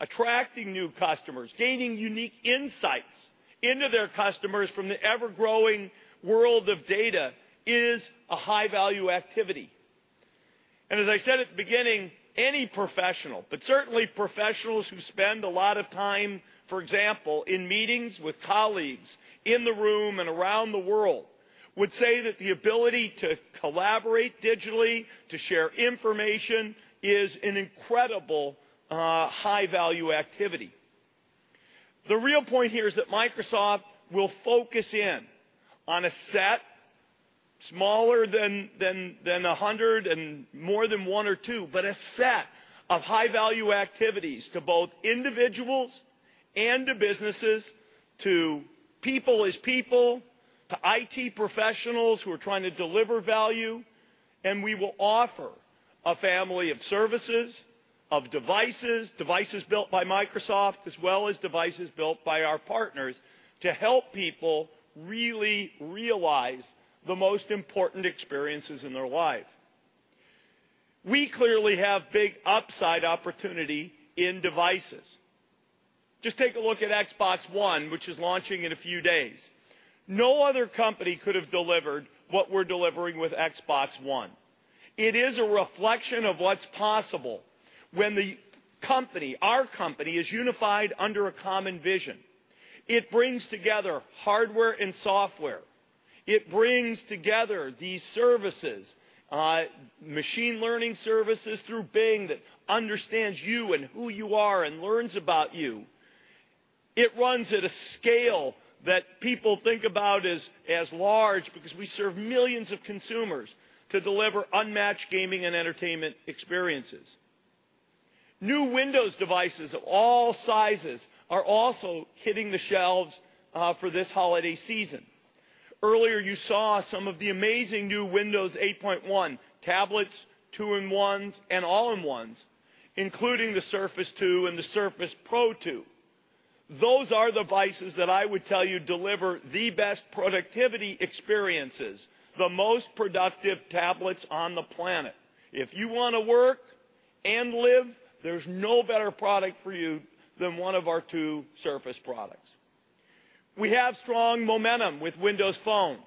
attracting new customers, gaining unique insights into their customers from the ever-growing world of data is a high-value activity. As I said at the beginning, any professional, certainly professionals who spend a lot of time, for example, in meetings with colleagues in the room and around the world, would say that the ability to collaborate digitally, to share information is an incredible high-value activity. The real point here is that Microsoft will focus in on a set smaller than 100 and more than one or two, a set of high-value activities to both individuals and to businesses, to people as people, to IT professionals who are trying to deliver value. We will offer a family of services, of devices built by Microsoft, as well as devices built by our partners to help people really realize the most important experiences in their life. We clearly have big upside opportunity in devices. Just take a look at Xbox One, which is launching in a few days. No other company could have delivered what we're delivering with Xbox One. It is a reflection of what's possible when the company, our company, is unified under a common vision. It brings together hardware and software. It brings together these services, machine learning services through Bing that understands you and who you are and learns about you. It runs at a scale that people think about as large because we serve millions of consumers to deliver unmatched gaming and entertainment experiences. New Windows devices of all sizes are also hitting the shelves for this holiday season. Earlier, you saw some of the amazing new Windows 8.1 tablets, two-in-ones, and all-in-ones, including the Surface 2 and the Surface Pro 2. Those are devices that I would tell you deliver the best productivity experiences, the most productive tablets on the planet. If you want to work and live, there's no better product for you than one of our two Surface products. We have strong momentum with Windows phones.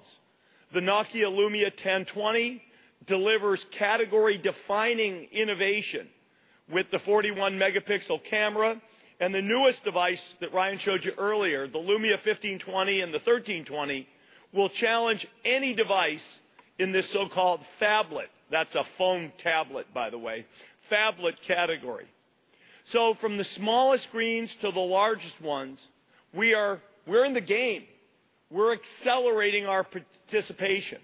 The Nokia Lumia 1020 delivers category-defining innovation with the 41-megapixel camera, and the newest device that Ryan showed you earlier, the Lumia 1520 and the 1320, will challenge any device in this so-called phablet. That's a phone-tablet, by the way, phablet category. From the smallest screens to the largest ones, we're in the game. We're accelerating our participation.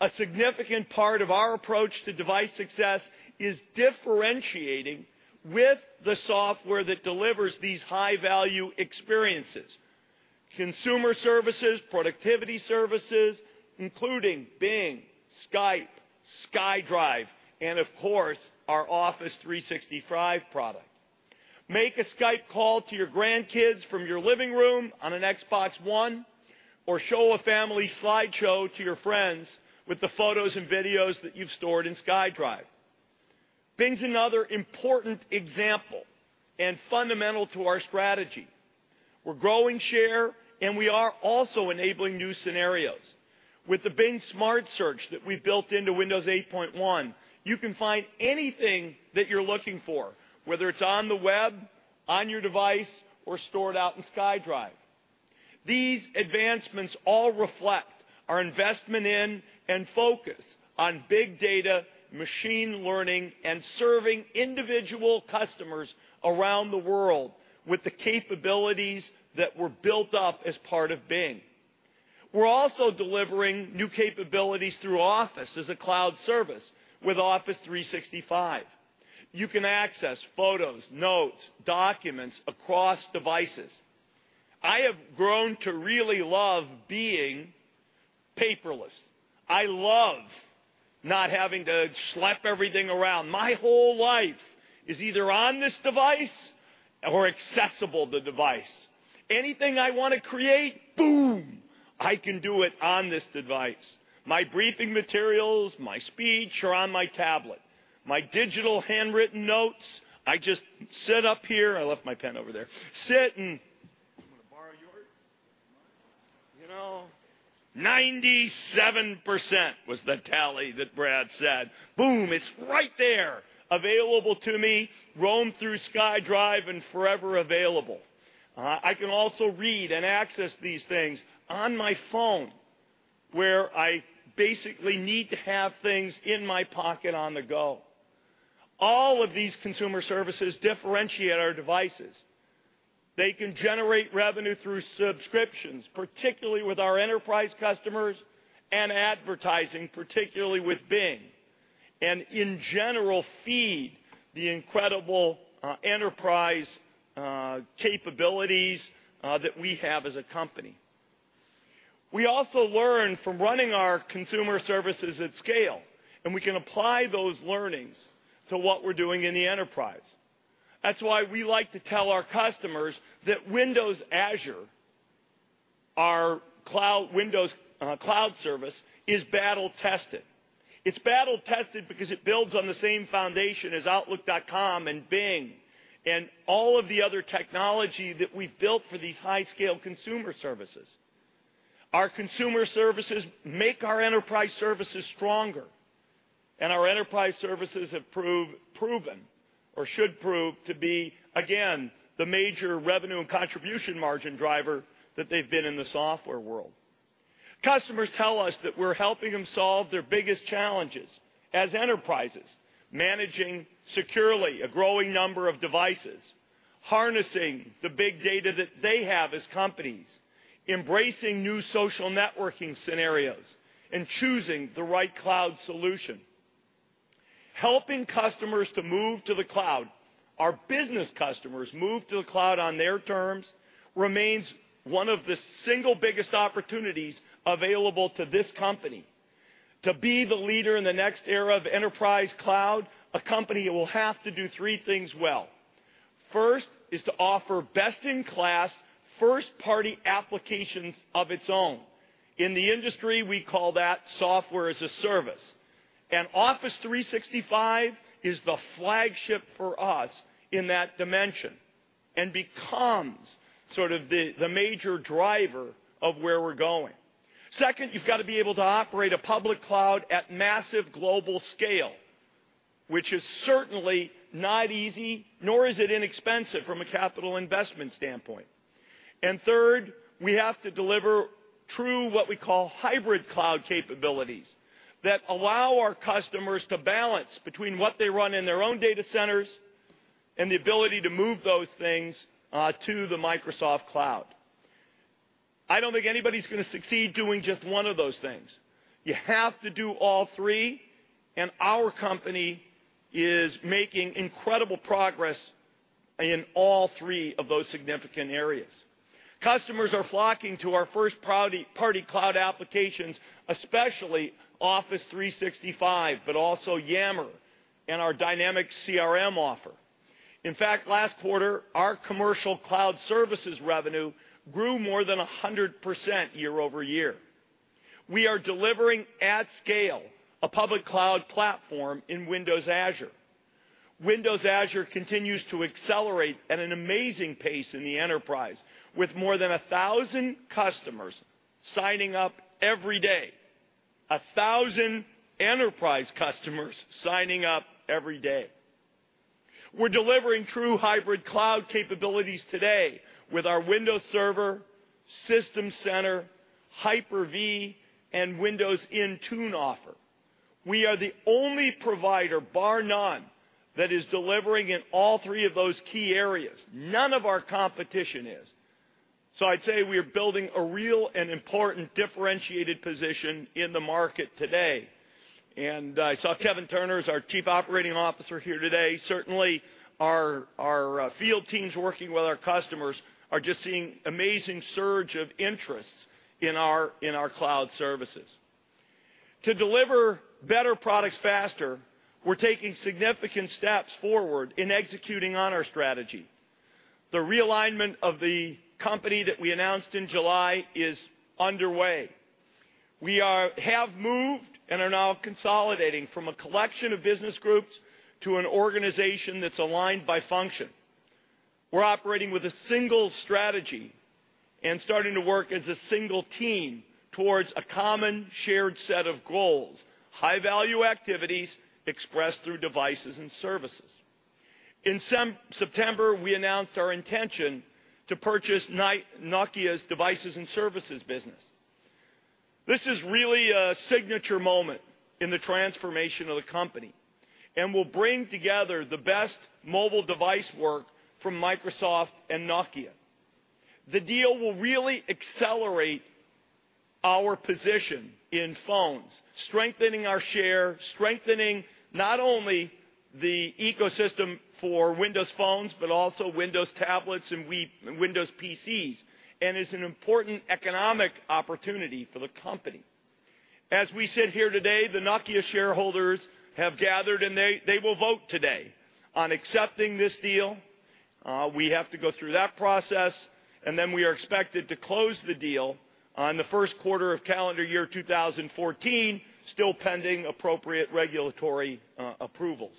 A significant part of our approach to device success is differentiating with the software that delivers these high-value experiences. Consumer services, productivity services, including Bing, Skype, SkyDrive, and of course, our Office 365 product. Make a Skype call to your grandkids from your living room on an Xbox One, or show a family slideshow to your friends with the photos and videos that you've stored in SkyDrive. Bing's another important example and fundamental to our strategy. We're growing share, and we are also enabling new scenarios. With the Bing Smart Search that we built into Windows 8.1, you can find anything that you're looking for, whether it's on the web, on your device, or stored out in SkyDrive. These advancements all reflect our investment in and focus on big data, machine learning, and serving individual customers around the world with the capabilities that were built up as part of Bing. We're also delivering new capabilities through Office as a cloud service with Office 365. You can access photos, notes, documents across devices. I have grown to really love being paperless. I love not having to schlep everything around. My whole life is either on this device or accessible through the device. Anything I want to create, boom, I can do it on this device. My briefing materials, my speech are on my tablet. My digital handwritten notes, I just sit up here. I left my pen over there. You want to borrow yours? You know, 97% was the tally that Brad said. Boom, it's right there available to me, roamed through SkyDrive and forever available. I can also read and access these things on my phone, where I basically need to have things in my pocket on the go. All of these consumer services differentiate our devices. They can generate revenue through subscriptions, particularly with our enterprise customers, and advertising, particularly with Bing, and in general, feed the incredible enterprise capabilities that we have as a company. We also learn from running our consumer services at scale, and we can apply those learnings to what we're doing in the enterprise. That's why we like to tell our customers that Windows Azure, our Windows cloud service, is battle-tested. It's battle-tested because it builds on the same foundation as Outlook.com and Bing and all of the other technology that we've built for these high-scale consumer services. Our consumer services make our enterprise services stronger, and our enterprise services have proven or should prove to be, again, the major revenue and contribution margin driver that they've been in the software world. Customers tell us that we're helping them solve their biggest challenges as enterprises. Managing securely a growing number of devices, harnessing the big data that they have as companies, embracing new social networking scenarios, and choosing the right cloud solution. Helping customers to move to the cloud. Our business customers move to the cloud on their terms remains one of the single biggest opportunities available to this company. To be the leader in the next era of enterprise cloud, a company will have to do three things well. First is to offer best-in-class, first-party applications of its own. In the industry, we call that software as a service. Office 365 is the flagship for us in that dimension and becomes sort of the major driver of where we're going. Second, you've got to be able to operate a public cloud at massive global scale, which is certainly not easy, nor is it inexpensive from a capital investment standpoint. Third, we have to deliver true, what we call hybrid cloud capabilities that allow our customers to balance between what they run in their own data centers and the ability to move those things to the Microsoft cloud. I don't think anybody's going to succeed doing just one of those things. You have to do all three, and our company is making incredible progress in all three of those significant areas. Customers are flocking to our first-party cloud applications, especially Office 365, but also Yammer and our Dynamics CRM offer. In fact, last quarter, our commercial cloud services revenue grew more than 100% year-over-year. We are delivering at scale a public cloud platform in Windows Azure. Windows Azure continues to accelerate at an amazing pace in the enterprise, with more than 1,000 customers signing up every day. 1,000 enterprise customers signing up every day. We're delivering true hybrid cloud capabilities today with our Windows Server, System Center, Hyper-V, and Windows Intune offer. We are the only provider, bar none, that is delivering in all three of those key areas. None of our competition is. I'd say we are building a real and important differentiated position in the market today. I saw Kevin Turner, our Chief Operating Officer, here today. Certainly, our field teams working with our customers are just seeing amazing surge of interest in our cloud services. To deliver better products faster, we're taking significant steps forward in executing on our strategy. The realignment of the company that we announced in July is underway. We have moved and are now consolidating from a collection of business groups to an organization that's aligned by function. We're operating with a single strategy and starting to work as a single team towards a common shared set of goals, high-value activities expressed through devices and services. In September, we announced our intention to purchase Nokia's devices and services business. This is really a signature moment in the transformation of the company and will bring together the best mobile device work from Microsoft and Nokia. The deal will really accelerate our position in phones, strengthening our share, strengthening not only the ecosystem for Windows phones, but also Windows tablets and Windows PCs, and is an important economic opportunity for the company. As we sit here today, the Nokia shareholders have gathered, and they will vote today on accepting this deal. We have to go through that process, then we are expected to close the deal in the first quarter of calendar year 2014, still pending appropriate regulatory approvals.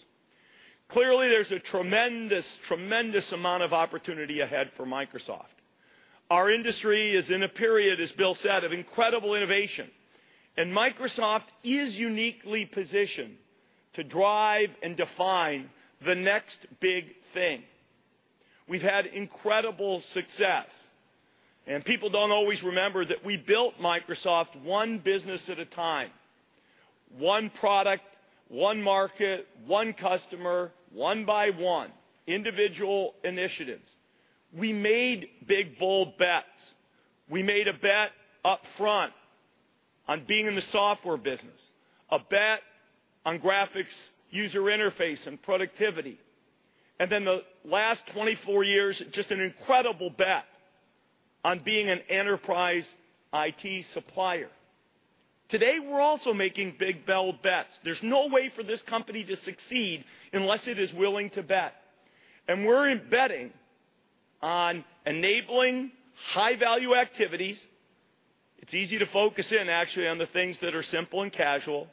Clearly, there's a tremendous amount of opportunity ahead for Microsoft. Our industry is in a period, as Bill said, of incredible innovation. Microsoft is uniquely positioned to drive and define the next big thing. We've had incredible success. People don't always remember that we built Microsoft one business at a time, one product, one market, one customer, one by one, individual initiatives. We made big, bold bets. We made a bet up front on being in the software business, a bet on graphics, user interface, and productivity. The last 24 years, just an incredible bet on being an enterprise IT supplier. Today, we're also making big, bold bets. There's no way for this company to succeed unless it is willing to bet. We're betting on enabling high-value activities. It's easy to focus in, actually, on the things that are simple and casual.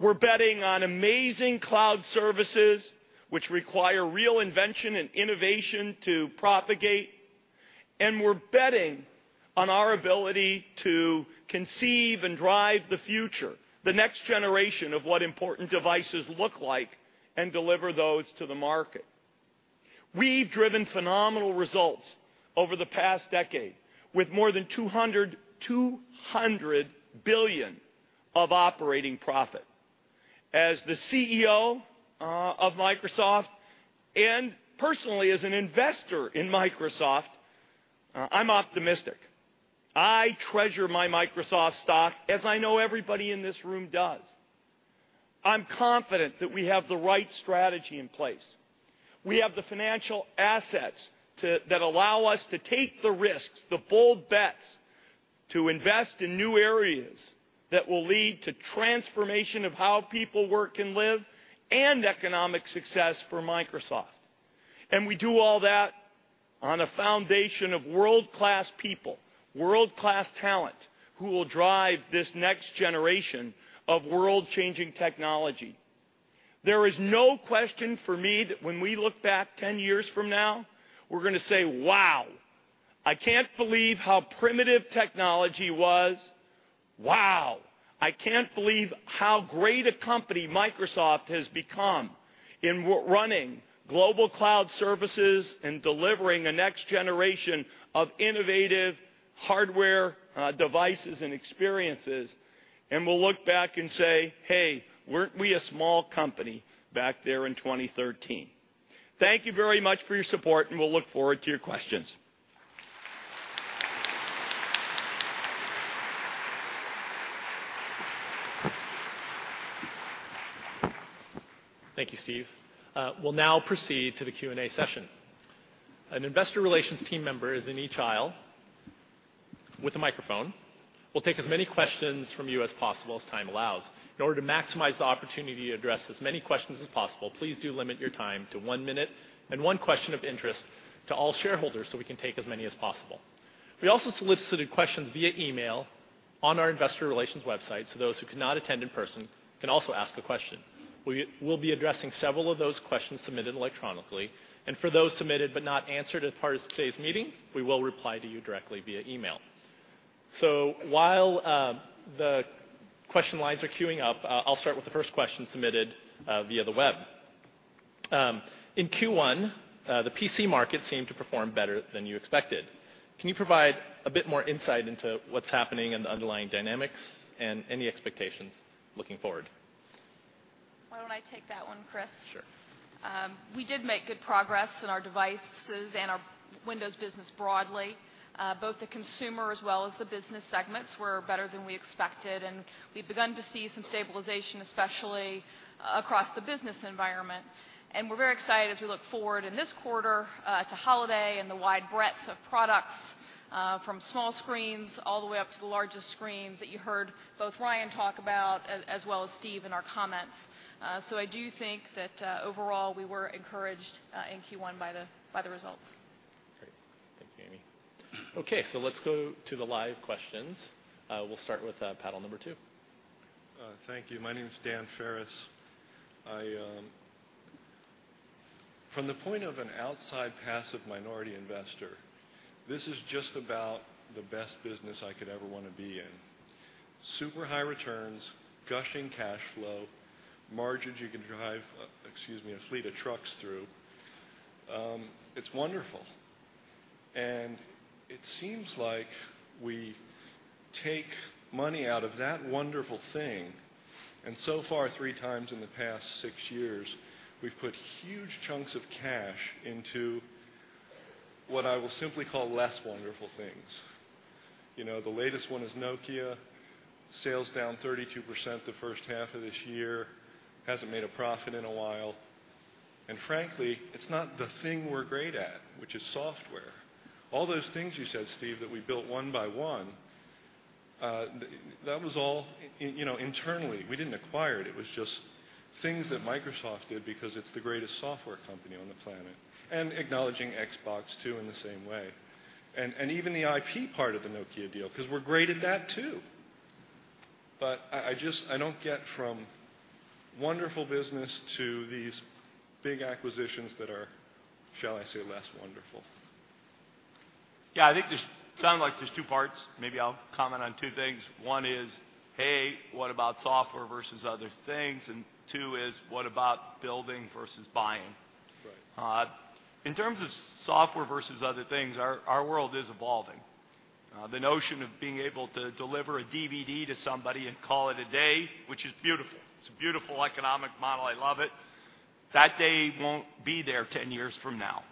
We're betting on amazing cloud services, which require real invention and innovation to propagate. We're betting on our ability to conceive and drive the future, the next generation of what important devices look like, and deliver those to the market. We've driven phenomenal results over the past decade with more than $200 billion of operating profit. As the CEO of Microsoft and personally as an investor in Microsoft, I'm optimistic. I treasure my Microsoft stock as I know everybody in this room does. I'm confident that we have the right strategy in place. We have the financial assets that allow us to take the risks, the bold bets, to invest in new areas that will lead to transformation of how people work and live, and economic success for Microsoft. We do all that on a foundation of world-class people, world-class talent, who will drive this next generation of world-changing technology. There is no question for me that when we look back 10 years from now, we're going to say, "Wow, I can't believe how primitive technology was. Wow, I can't believe how great a company Microsoft has become in running global cloud services and delivering the next generation of innovative hardware, devices, and experiences." We'll look back and say, "Hey, weren't we a small company back there in 2013?" Thank you very much for your support, and we'll look forward to your questions. Thank you, Steve. We'll now proceed to the Q&A session. An investor relations team member is in each aisle with a microphone. We'll take as many questions from you as possible as time allows. In order to maximize the opportunity to address as many questions as possible, please do limit your time to one minute and one question of interest to all shareholders so we can take as many as possible. We also solicited questions via email on our investor relations website, so those who could not attend in person can also ask a question. We'll be addressing several of those questions submitted electronically, and for those submitted but not answered as part of today's meeting, we will reply to you directly via email. While the question lines are queuing up, I'll start with the first question submitted via the web. In Q1, the PC market seemed to perform better than you expected. Can you provide a bit more insight into what's happening in the underlying dynamics and any expectations looking forward? Why don't I take that one, Chris? Sure. We did make good progress in our devices and our Windows business broadly. Both the consumer as well as the business segments were better than we expected, and we've begun to see some stabilization, especially across the business environment. We're very excited as we look forward in this quarter to holiday and the wide breadth of products from small screens all the way up to the largest screens that you heard both Ryan talk about as well as Steve in our comments. I do think that overall, we were encouraged in Q1 by the results. Great. Thanks, Amy. Let's go to the live questions. We'll start with paddle number 2. Thank you. My name is Dan Ferris. From the point of an outside passive minority investor, this is just about the best business I could ever want to be in. Super high returns, gushing cash flow, margins you can drive a fleet of trucks through. It's wonderful. It seems like we take money out of that wonderful thing, and so far, three times in the past six years, we've put huge chunks of cash into what I will simply call less wonderful things. The latest one is Nokia. Sales down 32% the first half of this year, hasn't made a profit in a while. Frankly, it's not the thing we're great at, which is software. All those things you said, Steve, that we built one by one, that was all internally. We didn't acquire it. It was just things that Microsoft did because it's the greatest software company on the planet. Acknowledging Xbox too in the same way. Even the IP part of the Nokia deal, because we're great at that, too. I don't get from wonderful business to these big acquisitions that are, shall I say, less wonderful. Yeah, I think there's two parts. Maybe I'll comment on two things. One is, hey, what about software versus other things? Two is, what about building versus buying? Right. In terms of software versus other things, our world is evolving. The notion of being able to deliver a DVD to somebody and call it a day, which is beautiful. It's a beautiful economic model. I love it. That day won't be there 10 years from now.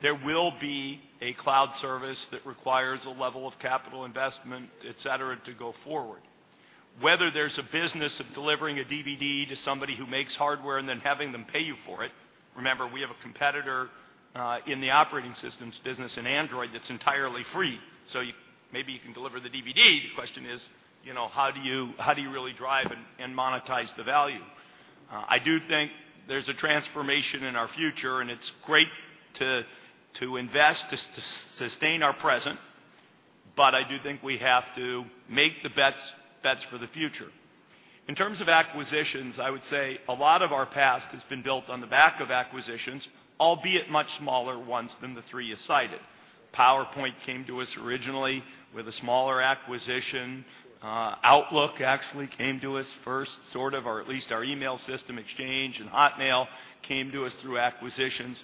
There will be a cloud service that requires a level of capital investment, et cetera, to go forward. Whether there's a business of delivering a DVD to somebody who makes hardware and then having them pay you for it, remember, we have a competitor in the operating systems business in Android that's entirely free. Maybe you can deliver the DVD. The question is, how do you really drive and monetize the value? I do think there's a transformation in our future, and it's great to invest to sustain our present. I do think we have to make the best bets for the future. In terms of acquisitions, I would say a lot of our past has been built on the back of acquisitions, albeit much smaller ones than the three you cited. PowerPoint came to us originally with a smaller acquisition. Outlook actually came to us first, sort of, or at least our email system Exchange and Hotmail came to us through acquisitions.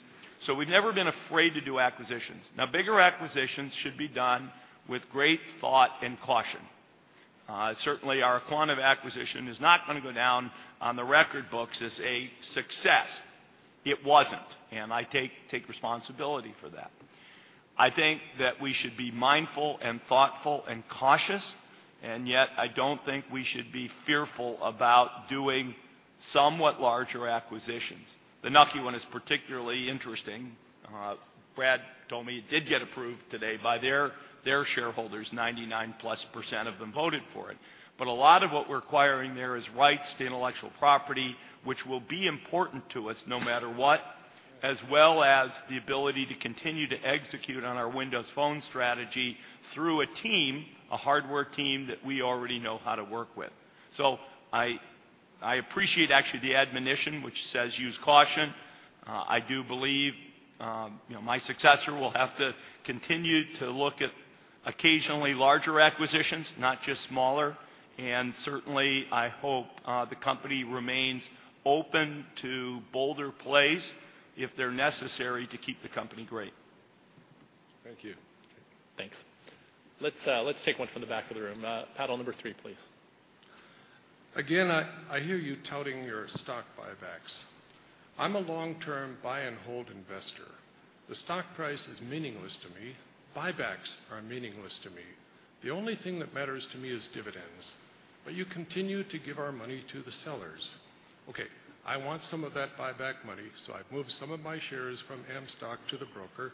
We've never been afraid to do acquisitions. Now, bigger acquisitions should be done with great thought and caution. Certainly, our aQuantive acquisition is not going to go down on the record books as a success. It wasn't, and I take responsibility for that. I think that we should be mindful and thoughtful and cautious, and yet I don't think we should be fearful about doing somewhat larger acquisitions. The Nokia one is particularly interesting. Brad told me it did get approved today by their shareholders. 99 plus % of them voted for it. A lot of what we're acquiring there is rights to intellectual property, which will be important to us no matter what, as well as the ability to continue to execute on our Windows Phone strategy through a team, a hardware team that we already know how to work with. I appreciate, actually, the admonition, which says use caution. I do believe my successor will have to continue to look at occasionally larger acquisitions, not just smaller, and certainly, I hope the company remains open to bolder plays if they're necessary to keep the company great. Thank you. Thanks. Let's take one from the back of the room. Paddle number 3, please. Again, I hear you touting your stock buybacks "I'm a long-term buy and hold investor. The stock price is meaningless to me. Buybacks are meaningless to me. The only thing that matters to me is dividends. You continue to give our money to the sellers. Okay, I want some of that buyback money, I've moved some of my shares from Amstock to the broker,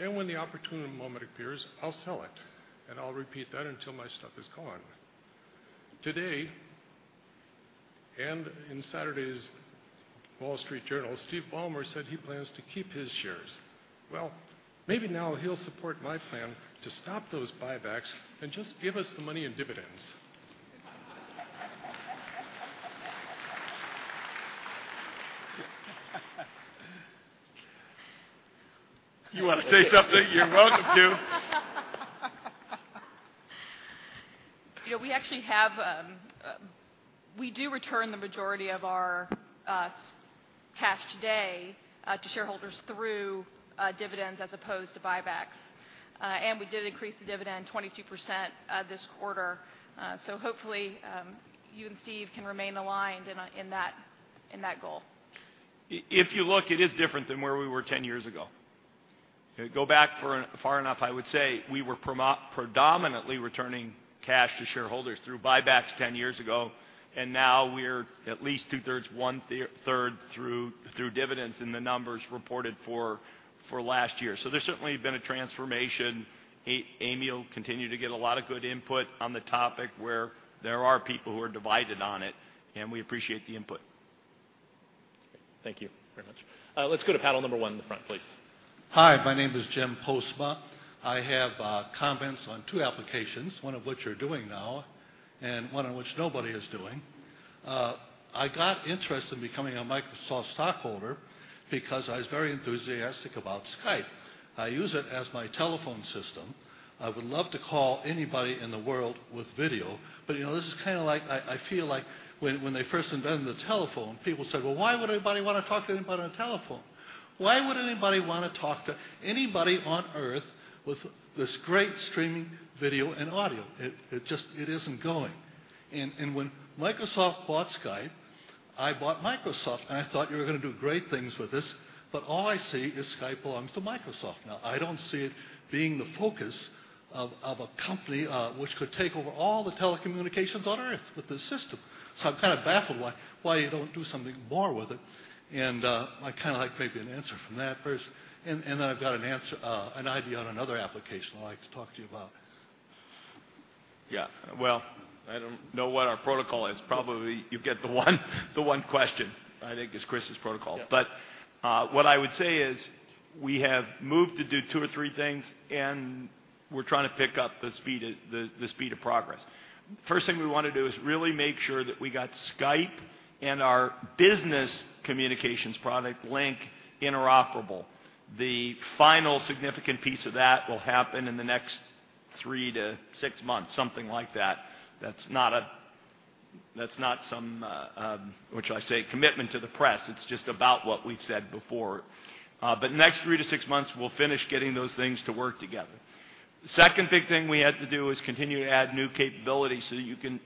and when the opportune moment appears, I'll sell it. I'll repeat that until my stock is gone. Today, in Saturday's Wall Street Journal, Steve Ballmer said he plans to keep his shares. Well, maybe now he'll support my plan to stop those buybacks and just give us the money in dividends. You want to say something? You're welcome to. We do return the majority of our cash today to shareholders through dividends as opposed to buybacks. We did increase the dividend 22% this quarter. Hopefully, you and Steve can remain aligned in that goal. If you look, it is different than where we were 10 years ago. Go back far enough, I would say we were predominantly returning cash to shareholders through buybacks 10 years ago, now we're at least two-thirds, one-third through dividends in the numbers reported for last year. There's certainly been a transformation. Amy will continue to get a lot of good input on the topic where there are people who are divided on it, we appreciate the input. Thank you very much. Let's go to paddle number one in the front, please. Hi, my name is Jim Postma. I have comments on two applications, one of which you're doing now, and one of which nobody is doing. I got interested in becoming a Microsoft stockholder because I was very enthusiastic about Skype. I use it as my telephone system. I would love to call anybody in the world with video. This is kind of like, I feel like when they first invented the telephone, people said, "Well, why would anybody want to talk to anybody on a telephone?" Why would anybody want to talk to anybody on Earth with this great streaming video and audio? It isn't going. When Microsoft bought Skype, I bought Microsoft, and I thought you were going to do great things with this, but all I see is Skype belongs to Microsoft now. I don't see it being the focus of a company which could take over all the telecommunications on Earth with this system. I'm kind of baffled why you don't do something more with it, and I'd like maybe an answer from that person. I've got an idea on another application I'd like to talk to you about. Yeah. Well, I don't know what our protocol is. Probably you get the one question, I think is Chris's protocol. Yeah. What I would say is we have moved to do two or three things, and we're trying to pick up the speed of progress. First thing we want to do is really make sure that we got Skype and our business communications product, Lync, interoperable. The final significant piece of that will happen in the next three to six months, something like that. That's not some, what should I say, commitment to the press. It's just about what we've said before. Next three to six months, we'll finish getting those things to work together. Second big thing we had to do is continue to add new capabilities so that you can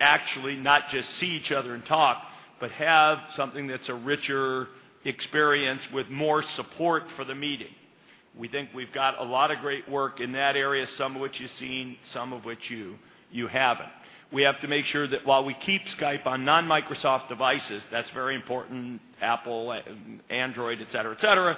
actually not just see each other and talk, but have something that's a richer experience with more support for the meeting. We think we've got a lot of great work in that area, some of which you've seen, some of which you haven't. We have to make sure that while we keep Skype on non-Microsoft devices, that's very important, Apple, Android, et cetera.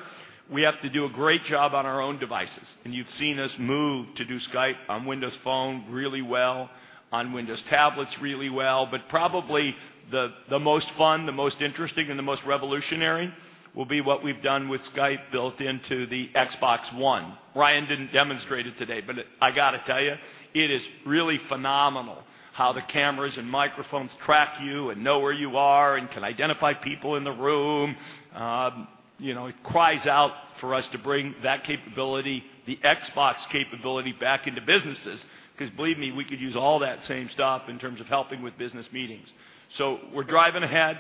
We have to do a great job on our own devices. You've seen us move to do Skype on Windows Phone really well, on Windows tablets really well. Probably the most fun, the most interesting, and the most revolutionary will be what we've done with Skype built into the Xbox One. Ryan didn't demonstrate it today, but I got to tell you, it is really phenomenal how the cameras and microphones track you and know where you are and can identify people in the room. It cries out for us to bring that capability, the Xbox capability, back into businesses. Believe me, we could use all that same stuff in terms of helping with business meetings. We're driving ahead.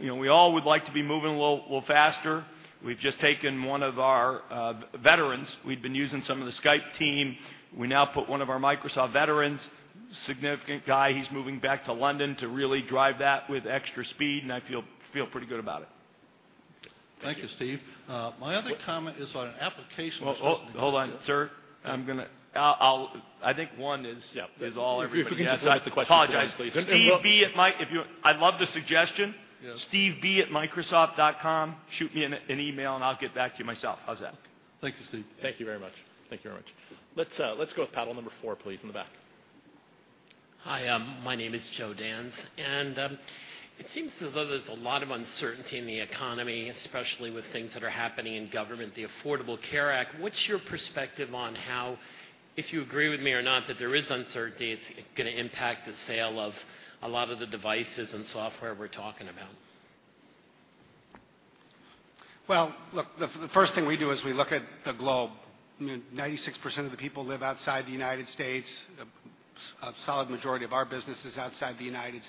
We all would like to be moving a little faster. We've just taken one of our veterans. We'd been using some of the Skype team. We now put one of our Microsoft veterans, significant guy, he's moving back to London to really drive that with extra speed, and I feel pretty good about it. Thank you. Thank you, Steve. My other comment is on an Hold on, sir. I think one is all everybody has. Yeah. If we could just stick with the question please. I apologize. I love the suggestion. Yeah. steveb@microsoft.com. Shoot me an email and I'll get back to you myself. How's that? Thank you, Steve. Thank you very much. Let's go with paddle number four, please, in the back. Hi, my name is Joe Danz. It seems as though there's a lot of uncertainty in the economy, especially with things that are happening in government, the Affordable Care Act. What's your perspective on how, if you agree with me or not, that there is uncertainty, it's going to impact the sale of a lot of the devices and software we're talking about? Well, look, the first thing we do is we look at the globe. 96% of the people live outside the U.S. A solid majority of our business is outside the U.S.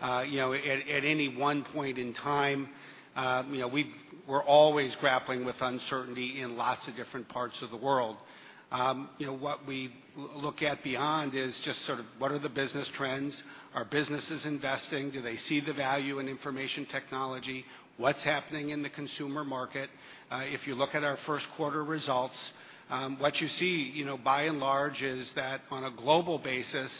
At any one point in time We're always grappling with uncertainty in lots of different parts of the world. What we look at beyond is just sort of what are the business trends? Are businesses investing? Do they see the value in information technology? What's happening in the consumer market? If you look at our first quarter results, what you see, by and large, is that on a global basis,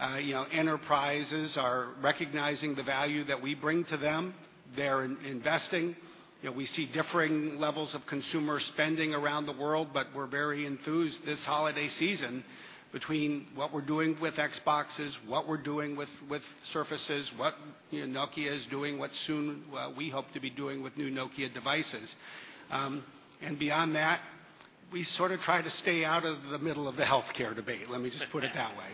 enterprises are recognizing the value that we bring to them. They're investing. We see differing levels of consumer spending around the world, but we're very enthused this holiday season between what we're doing with Xboxes, what we're doing with Surfaces, what Nokia is doing, what soon we hope to be doing with new Nokia devices. Beyond that, we sort of try to stay out of the middle of the healthcare debate. Let me just put it that way.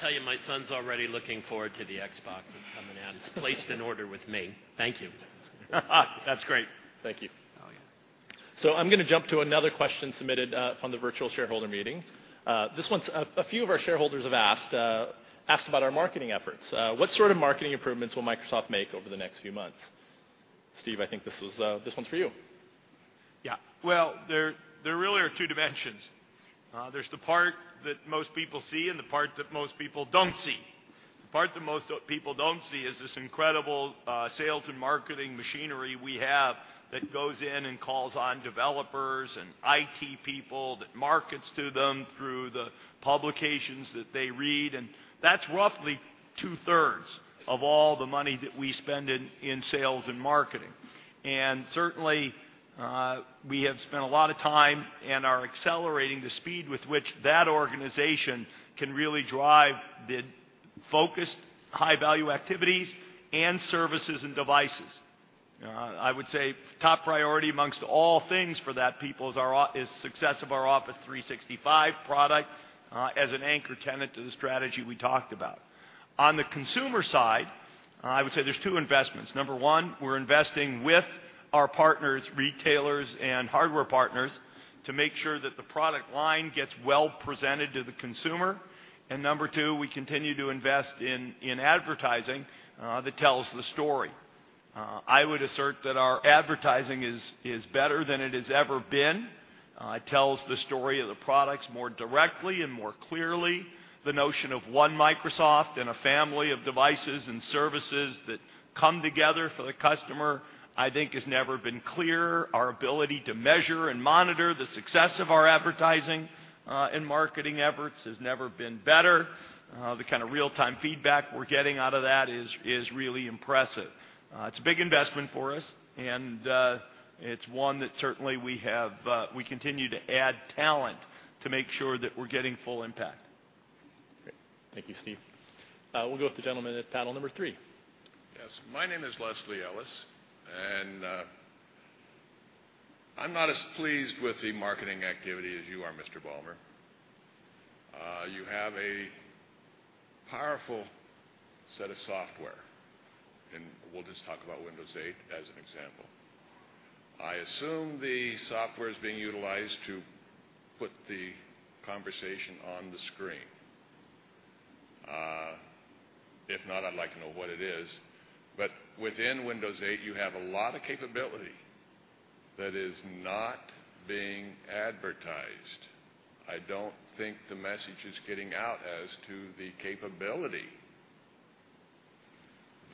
I'll tell you, my son's already looking forward to the Xbox that's coming out. It's placed an order with me. Thank you. That's great. Thank you. Oh, yeah. I'm going to jump to another question submitted from the virtual shareholder meeting. This one, a few of our shareholders have asked about our marketing efforts. What sort of marketing improvements will Microsoft make over the next few months? Steve, I think this one's for you. There really are two dimensions. There's the part that most people see and the part that most people don't see. The part that most people don't see is this incredible sales and marketing machinery we have that goes in and calls on developers and IT people, that markets to them through the publications that they read, and that's roughly two-thirds of all the money that we spend in sales and marketing. Certainly, we have spent a lot of time and are accelerating the speed with which that organization can really drive the focused high-value activities and services and devices. I would say top priority amongst all things for that people is success of our Office 365 product as an anchor tenant to the strategy we talked about. On the consumer side, I would say there's two investments. Number one, we're investing with our partners, retailers, and hardware partners, to make sure that the product line gets well presented to the consumer. Number two, we continue to invest in advertising that tells the story. I would assert that our advertising is better than it has ever been. It tells the story of the products more directly and more clearly. The notion of One Microsoft and a family of devices and services that come together for the customer, I think, has never been clearer. Our ability to measure and monitor the success of our advertising and marketing efforts has never been better. The kind of real-time feedback we're getting out of that is really impressive. It's a big investment for us, and it's one that certainly we continue to add talent to make sure that we're getting full impact. Great. Thank you, Steve. We'll go with the gentleman at panel number 3. Yes. My name is Leslie Ellis, I'm not as pleased with the marketing activity as you are, Mr. Ballmer. You have a powerful set of software, we'll just talk about Windows 8 as an example. I assume the software's being utilized to put the conversation on the screen. If not, I'd like to know what it is. Within Windows 8, you have a lot of capability that is not being advertised. I don't think the message is getting out as to the capability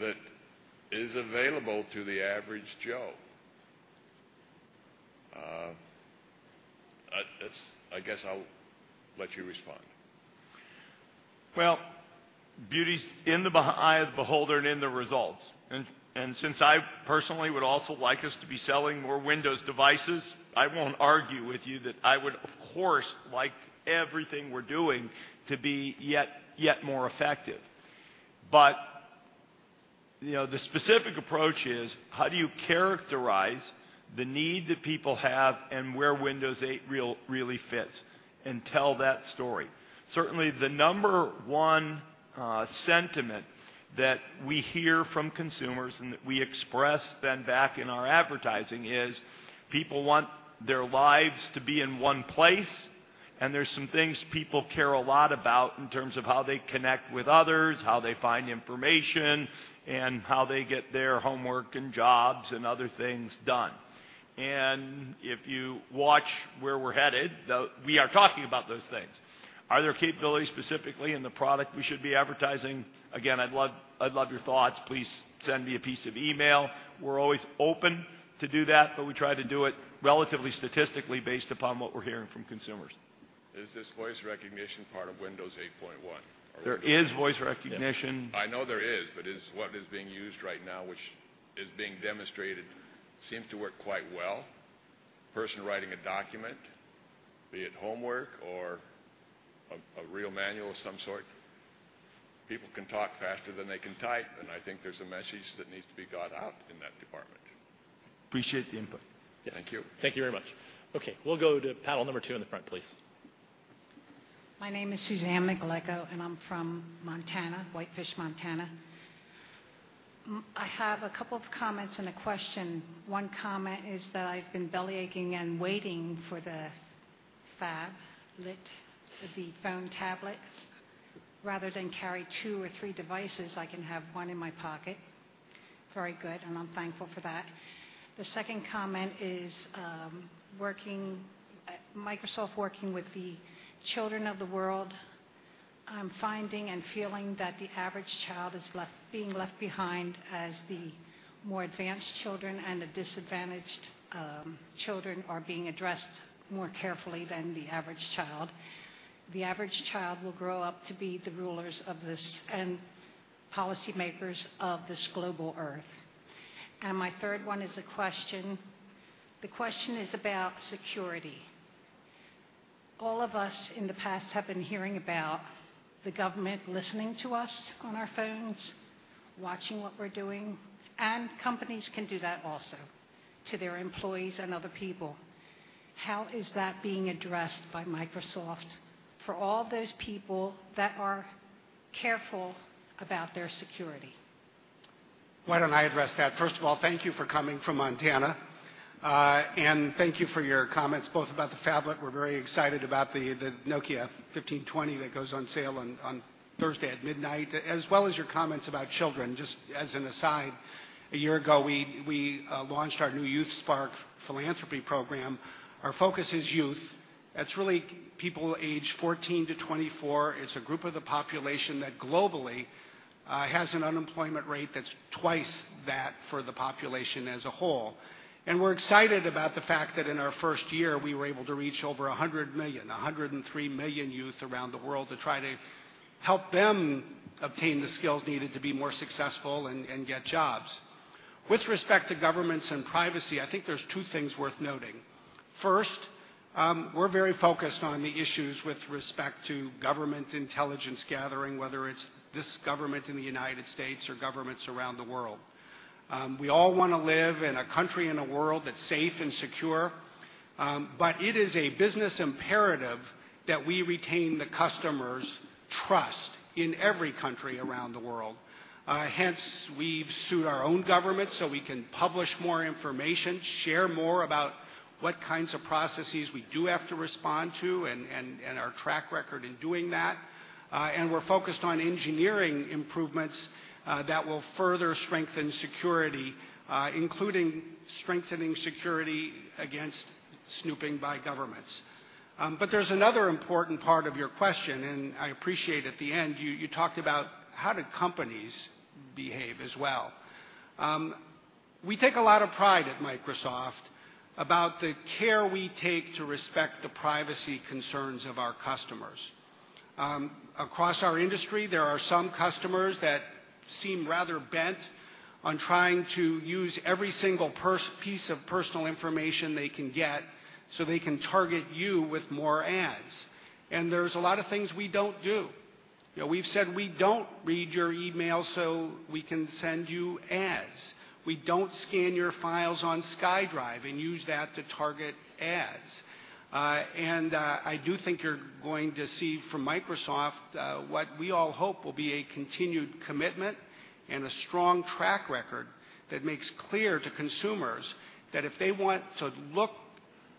that is available to the average Joe. I guess I'll let you respond. Beauty's in the eye of the beholder and in the results. Since I personally would also like us to be selling more Windows devices, I won't argue with you that I would, of course, like everything we're doing to be yet more effective. The specific approach is how do you characterize the need that people have and where Windows 8 really fits and tell that story. Certainly, the number 1 sentiment that we hear from consumers and that we express then back in our advertising is people want their lives to be in one place. There's some things people care a lot about in terms of how they connect with others, how they find information, and how they get their homework and jobs and other things done. If you watch where we're headed, we are talking about those things. Are there capabilities specifically in the product we should be advertising? Again, I'd love your thoughts. Please send me a piece of email. We're always open to do that, we try to do it relatively statistically based upon what we're hearing from consumers. Is this voice recognition part of Windows 8.1? There is voice recognition. I know there is, but what is being used right now, which is being demonstrated, seems to work quite well. Person writing a document, be it homework or a real manual of some sort, people can talk faster than they can type, and I think there's a message that needs to be got out in that department. Appreciate the input. Thank you. Thank you very much. Okay, we'll go to panel number two in the front, please. My name is Suzanne McAleer, and I'm from Montana, Whitefish, Montana. I have a couple of comments and a question. One comment is that I've been bellyaching and waiting for the phablet, the phone tablet. Rather than carry two or three devices, I can have one in my pocket. Very good, and I'm thankful for that. The second comment is Microsoft working with the children of the world. I'm finding and feeling that the average child is being left behind as the more advanced children and the disadvantaged children are being addressed more carefully than the average child. The average child will grow up to be the rulers of this and policymakers of this global Earth. My third one is a question. The question is about security. All of us in the past have been hearing about the government listening to us on our phones, watching what we're doing, and companies can do that also to their employees and other people. How is that being addressed by Microsoft for all those people that are careful about their security? Why don't I address that? First of all, thank you for coming from Montana. Thank you for your comments both about the phablet. We're very excited about the Nokia 1520 that goes on sale on Thursday at midnight, as well as your comments about children. Just as an aside, a year ago, we launched our new YouthSpark philanthropy program. Our focus is youth. That's really people age 14 to 24. It's a group of the population that globally has an unemployment rate that's twice that for the population as a whole. We're excited about the fact that in our first year, we were able to reach over 100 million, 103 million youth around the world to try to help them obtain the skills needed to be more successful and get jobs. With respect to governments and privacy, I think there's two things worth noting. First, we're very focused on the issues with respect to government intelligence gathering, whether it's this government in the United States or governments around the world. We all want to live in a country and a world that's safe and secure. It is a business imperative that we retain the customer's trust in every country around the world. Hence, we've sued our own government so we can publish more information, share more about what kinds of processes we do have to respond to and our track record in doing that. We're focused on engineering improvements that will further strengthen security, including strengthening security against snooping by governments. There's another important part of your question, I appreciate at the end, you talked about how do companies behave as well. We take a lot of pride at Microsoft about the care we take to respect the privacy concerns of our customers. Across our industry, there are some customers that seem rather bent on trying to use every single piece of personal information they can get so they can target you with more ads. There's a lot of things we don't do. We've said we don't read your email so we can send you ads. We don't scan your files on SkyDrive and use that to target ads. I do think you're going to see from Microsoft what we all hope will be a continued commitment and a strong track record that makes clear to consumers that if they want to look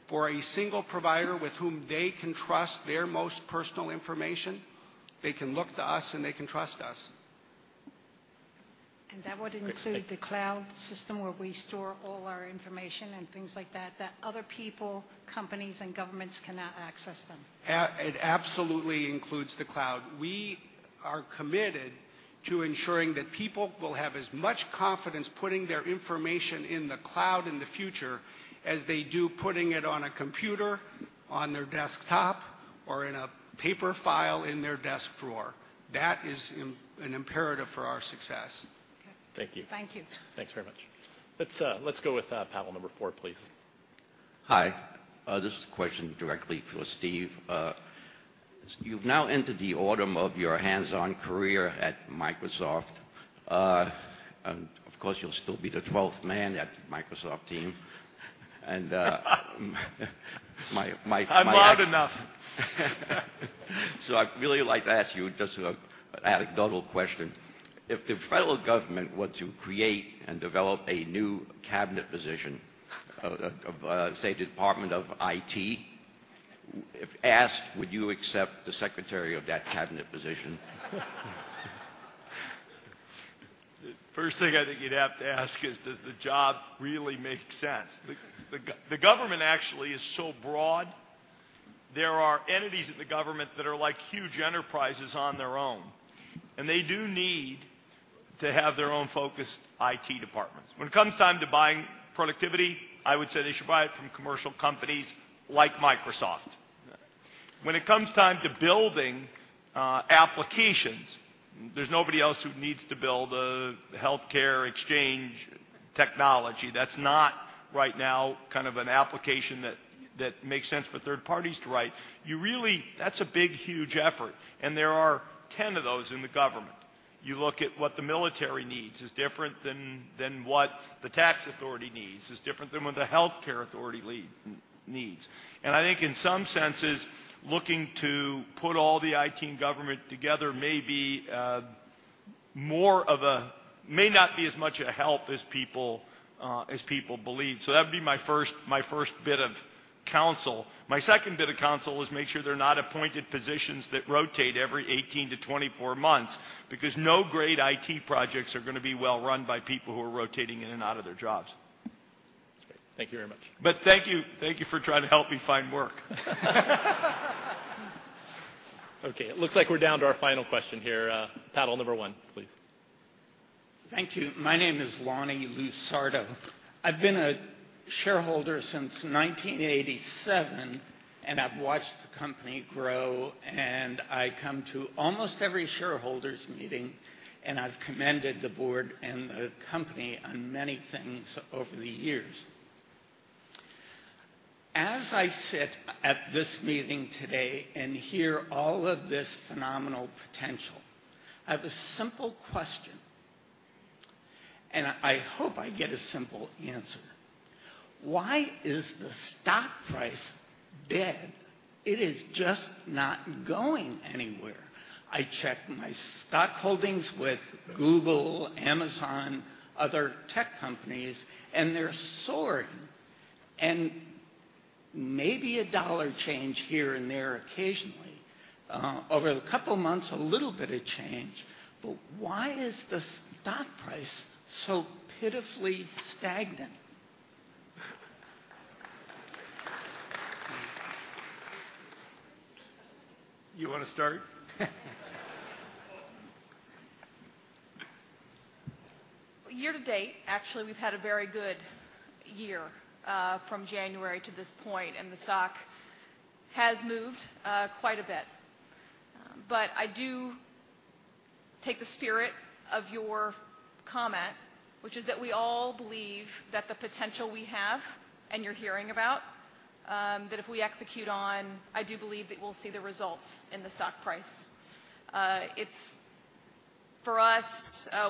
for a single provider with whom they can trust their most personal information, they can look to us and they can trust us. That would include the cloud system where we store all our information and things like that other people, companies, and governments cannot access them. It absolutely includes the cloud. We are committed to ensuring that people will have as much confidence putting their information in the cloud in the future as they do putting it on a computer, on their desktop, or in a paper file in their desk drawer. That is an imperative for our success. Okay. Thank you. Thank you. Thanks very much. Let's go with panel number 4, please. Hi. This is a question directly for Steve. You've now entered the autumn of your hands-on career at Microsoft. Of course, you'll still be the 12th man at Microsoft team. I'm loud enough. I'd really like to ask you just an anecdotal question. If the federal government were to create and develop a new cabinet position of, say, Department of IT, if asked, would you accept the secretary of that cabinet position? First thing I think you'd have to ask is, does the job really make sense? The government actually is so broad. There are entities at the government that are like huge enterprises on their own, and they do need to have their own focused IT departments. When it comes time to buying productivity, I would say they should buy it from commercial companies like Microsoft. When it comes time to building applications, there's nobody else who needs to build a healthcare exchange technology. That's not right now an application that makes sense for third parties to write. That's a big, huge effort, and there are 10 of those in the government. You look at what the military needs is different than what the tax authority needs, is different than what the healthcare authority needs. I think in some senses, looking to put all the IT in government together may be. may not be as much a help as people believe. That would be my first bit of counsel. My second bit of counsel is make sure they're not appointed positions that rotate every 18-24 months, because no great IT projects are going to be well run by people who are rotating in and out of their jobs. That's great. Thank you very much. Thank you for trying to help me find work. Okay, it looks like we're down to our final question here. Panel number 1, please. Thank you. My name is Lonnie Lusardo. I've been a shareholder since 1987, and I've watched the company grow, and I come to almost every shareholders' meeting, and I've commended the board and the company on many things over the years. As I sit at this meeting today and hear all of this phenomenal potential, I have a simple question, and I hope I get a simple answer. Why is the stock price dead? It is just not going anywhere. I check my stock holdings with Google, Amazon, other tech companies, and they're soaring. Maybe a $1 change here and there occasionally. Over a couple of months, a little bit of change, why is the stock price so pitifully stagnant? You want to start? Year to date, actually, we've had a very good year, from January to this point, and the stock has moved quite a bit. I do take the spirit of your comment, which is that we all believe that the potential we have and you're hearing about, that if we execute on, I do believe that we'll see the results in the stock price. For us,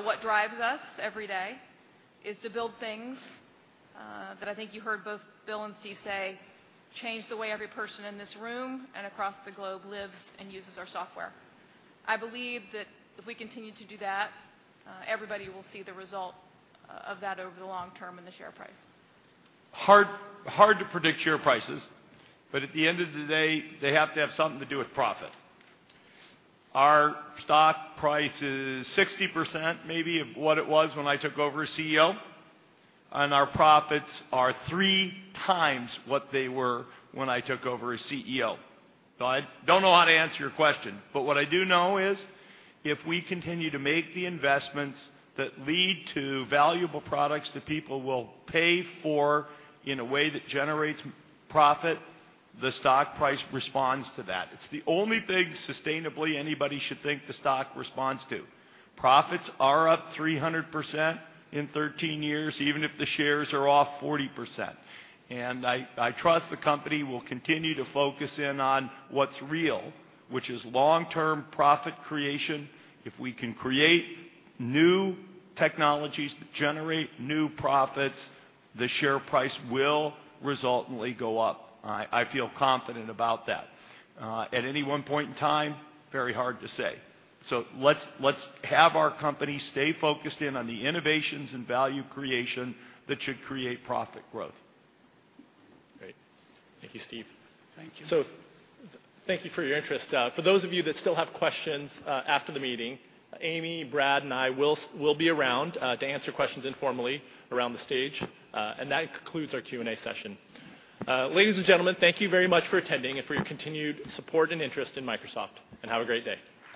what drives us every day is to build things that I think you heard both Bill and Steve say change the way every person in this room and across the globe lives and uses our software. I believe that if we continue to do that, everybody will see the result of that over the long term in the share price. Hard to predict share prices, at the end of the day, they have to have something to do with profit. Our stock price is 60%, maybe, of what it was when I took over as CEO, and our profits are three times what they were when I took over as CEO. I don't know how to answer your question, but what I do know is if we continue to make the investments that lead to valuable products that people will pay for in a way that generates profit, the stock price responds to that. It's the only thing, sustainably, anybody should think the stock responds to. Profits are up 300% in 13 years, even if the shares are off 40%. I trust the company will continue to focus in on what's real, which is long-term profit creation. If we can create new technologies that generate new profits, the share price will resultantly go up. I feel confident about that. At any one point in time, very hard to say. Let's have our company stay focused in on the innovations and value creation that should create profit growth. Great. Thank you, Steve. Thank you. Thank you for your interest. For those of you that still have questions after the meeting, Amy, Brad, and I will be around to answer questions informally around the stage. That concludes our Q&A session. Ladies and gentlemen, thank you very much for attending and for your continued support and interest in Microsoft, and have a great day.